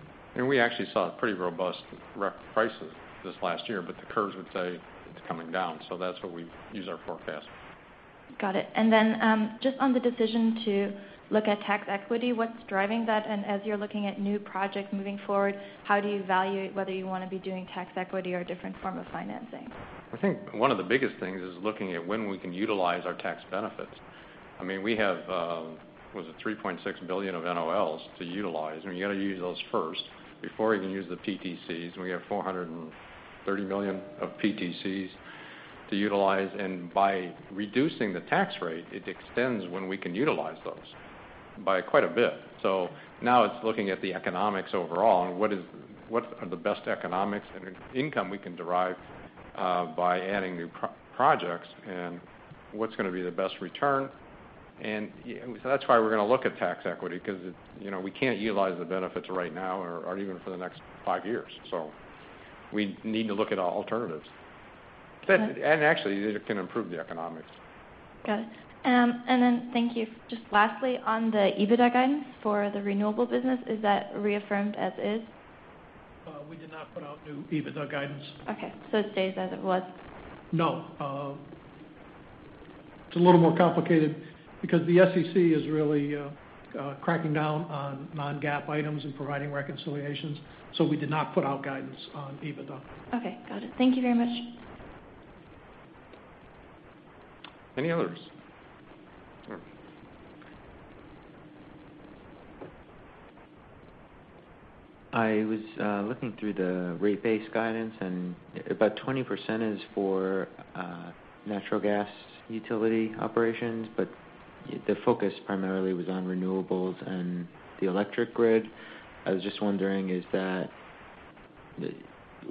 We actually saw pretty robust REC prices this last year, but the curves would say it's coming down. That's what we use our forecast. Got it. Just on the decision to look at tax equity, what's driving that? As you're looking at new projects moving forward, how do you evaluate whether you want to be doing tax equity or a different form of financing? I think one of the biggest things is looking at when we can utilize our tax benefits. We have, was it $3.6 billion of NOLs to utilize? You've got to use those first before you can use the PTCs. We have $430 million of PTCs to utilize. By reducing the tax rate, it extends when we can utilize those by quite a bit. Now it's looking at the economics overall and what are the best economics and income we can derive by adding new projects and what's going to be the best return. That's why we're going to look at tax equity because we can't utilize the benefits right now or even for the next five years. We need to look at alternatives. Got it. actually, it can improve the economics. Got it. Thank you. Just lastly, on the EBITDA guidance for the renewable business, is that reaffirmed as is? We did not put out new EBITDA guidance. Okay. It stays as it was? No. It's a little more complicated because the SEC is really cracking down on non-GAAP items and providing reconciliations. We did not put out guidance on EBITDA. Okay, got it. Thank you very much. Any others? Sure. I was looking through the rate base guidance, and about 20% is for natural gas utility operations, but the focus primarily was on renewables and the electric grid. I was just wondering,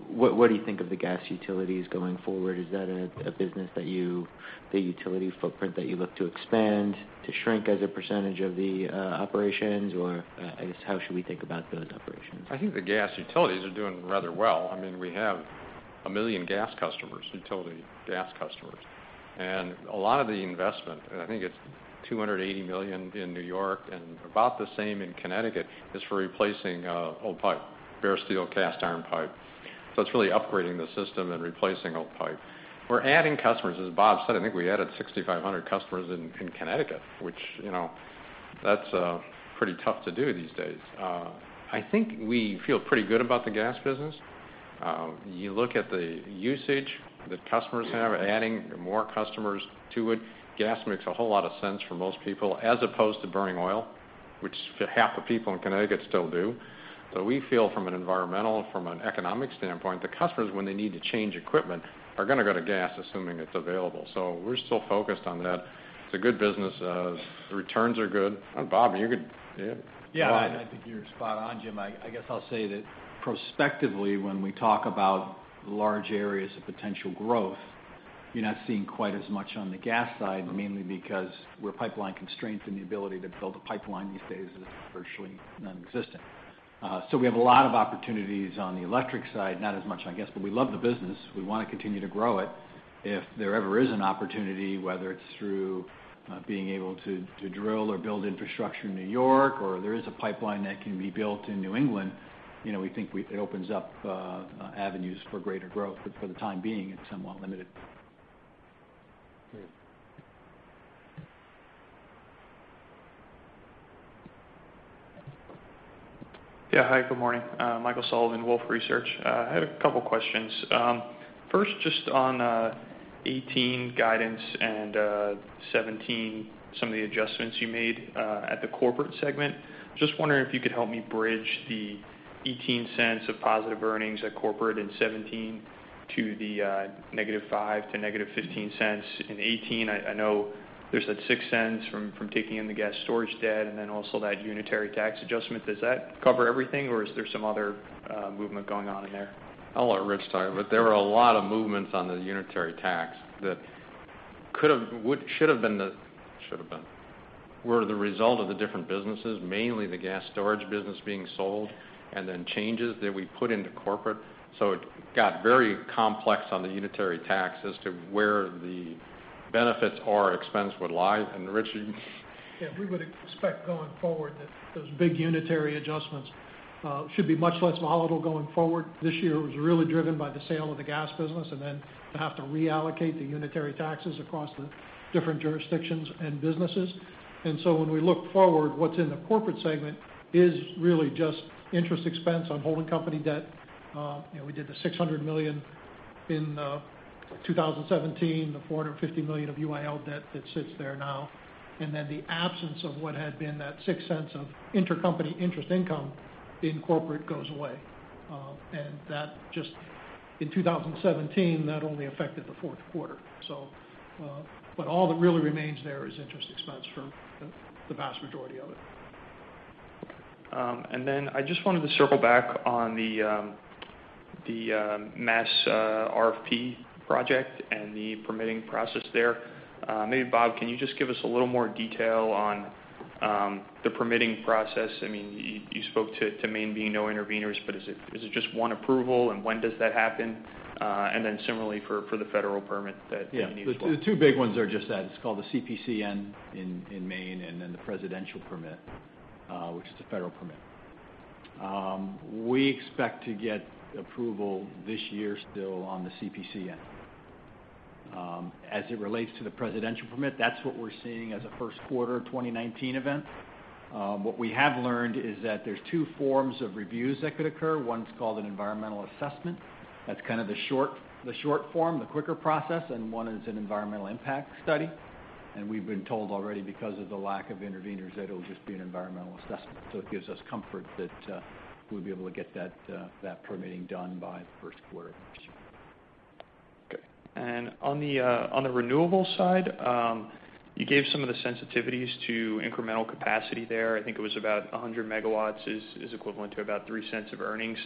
what do you think of the gas utilities going forward? Is that a business that you, the utility footprint that you look to expand, to shrink as a percentage of the operations, or I guess, how should we think about those operations? I think the gas utilities are doing rather well. We have 1 million gas customers, utility gas customers, and a lot of the investment, and I think it's $280 million in N.Y. and about the same in Connecticut, is for replacing old pipe, bare steel cast iron pipe. It's really upgrading the system and replacing old pipe. We're adding customers. As Bob said, I think we added 6,500 customers in Connecticut. That's pretty tough to do these days. I think we feel pretty good about the gas business. You look at the usage that customers have, adding more customers to it. Gas makes a whole lot of sense for most people as opposed to burning oil, which half the people in Connecticut still do. We feel from an environmental, from an economic standpoint, the customers, when they need to change equipment, are going to go to gas, assuming it's available. We're still focused on that. It's a good business. The returns are good. Bob, you could. Yeah. Yeah. I think you're spot on, Jim. I guess I'll say that prospectively, when we talk about large areas of potential growth, you're not seeing quite as much on the gas side, mainly because we're pipeline constrained, and the ability to build a pipeline these days is virtually nonexistent. We have a lot of opportunities on the electric side, not as much on gas, but we love the business. We want to continue to grow it. If there ever is an opportunity, whether it's through being able to drill or build infrastructure in N.Y., or there is a pipeline that can be built in New England, we think it opens up avenues for greater growth. For the time being, it's somewhat limited. Great. Yeah. Hi, good morning. Michael Sullivan, Wolfe Research. I had a couple of questions. First, just on 2018 guidance and 2017, some of the adjustments you made at the corporate segment. Just wondering if you could help me bridge the $0.18 of positive earnings at corporate in 2017 to the -$0.05 to -$0.15 in 2018. I know there's that $0.06 from taking in the gas storage debt, and then also that unitary tax adjustment. Does that cover everything, or is there some other movement going on in there? I will let Rich talk, but there were a lot of movements on the unitary tax that were the result of the different businesses, mainly the gas storage business being sold, and then changes that we put into corporate. It got very complex on the unitary tax as to where the benefits or expense would lie. Rich, you Yeah. We would expect going forward that those big unitary adjustments should be much less volatile going forward. This year, it was really driven by the sale of the gas business and then to have to reallocate the unitary taxes across the different jurisdictions and businesses. When we look forward, what's in the corporate segment is really just interest expense on holding company debt. We did the $600 million in 2017, the $450 million of UIL debt that sits there now, and then the absence of what had been that $0.06 of intercompany interest income in corporate goes away. That just in 2017, that only affected the fourth quarter. All that really remains there is interest expense for the vast majority of it. Okay. I just wanted to circle back on the Mass RFP project and the permitting process there. Maybe Bob, can you just give us a little more detail on the permitting process? You spoke to Maine being no interveners, but is it just one approval, and when does that happen? Similarly for the federal permit that you need as well. Yeah. The two big ones are just that. It's called the CPCN in Maine, the presidential permit, which is the federal permit. We expect to get approval this year still on the CPCN. As it relates to the presidential permit, that's what we're seeing as a first quarter 2019 event. What we have learned is that there's two forms of reviews that could occur. One's called an environmental assessment. That's kind of the short form, the quicker process, and one is an environmental impact study. We've been told already because of the lack of interveners that it'll just be an environmental assessment. It gives us comfort that we'll be able to get that permitting done by the first quarter of next year. Okay. On the renewables side, you gave some of the sensitivities to incremental capacity there. I think it was about 100 MW is equivalent to about $0.03 of earnings.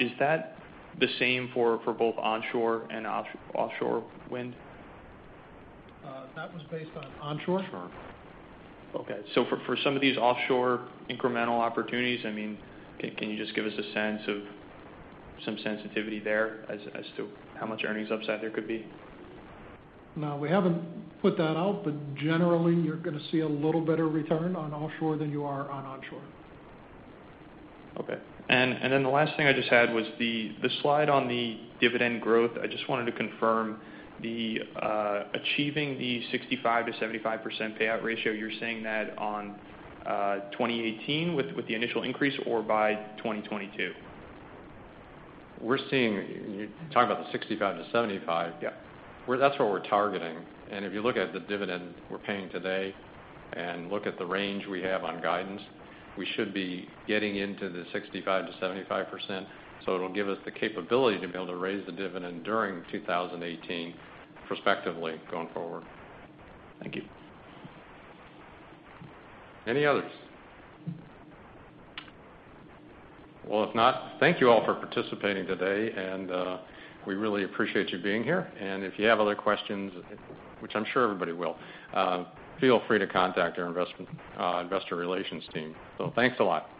Is that the same for both onshore and offshore wind? That was based on onshore. Onshore. Okay. For some of these offshore incremental opportunities, can you just give us a sense of some sensitivity there as to how much earnings upside there could be? No, we haven't put that out, but generally, you're going to see a little better return on offshore than you are on onshore. Okay. The last thing I just had was the slide on the dividend growth. I just wanted to confirm achieving the 65%-75% payout ratio, you're saying that on 2018 with the initial increase or by 2022? You're talking about the 65 to 75? Yeah. That's what we're targeting. If you look at the dividend we're paying today and look at the range we have on guidance, we should be getting into the 65%-75%, it'll give us the capability to be able to raise the dividend during 2018 prospectively going forward. Thank you. Any others? Well, if not, thank you all for participating today, and we really appreciate you being here. If you have other questions, which I am sure everybody will, feel free to contact our investor relations team. Thanks a lot. Bye.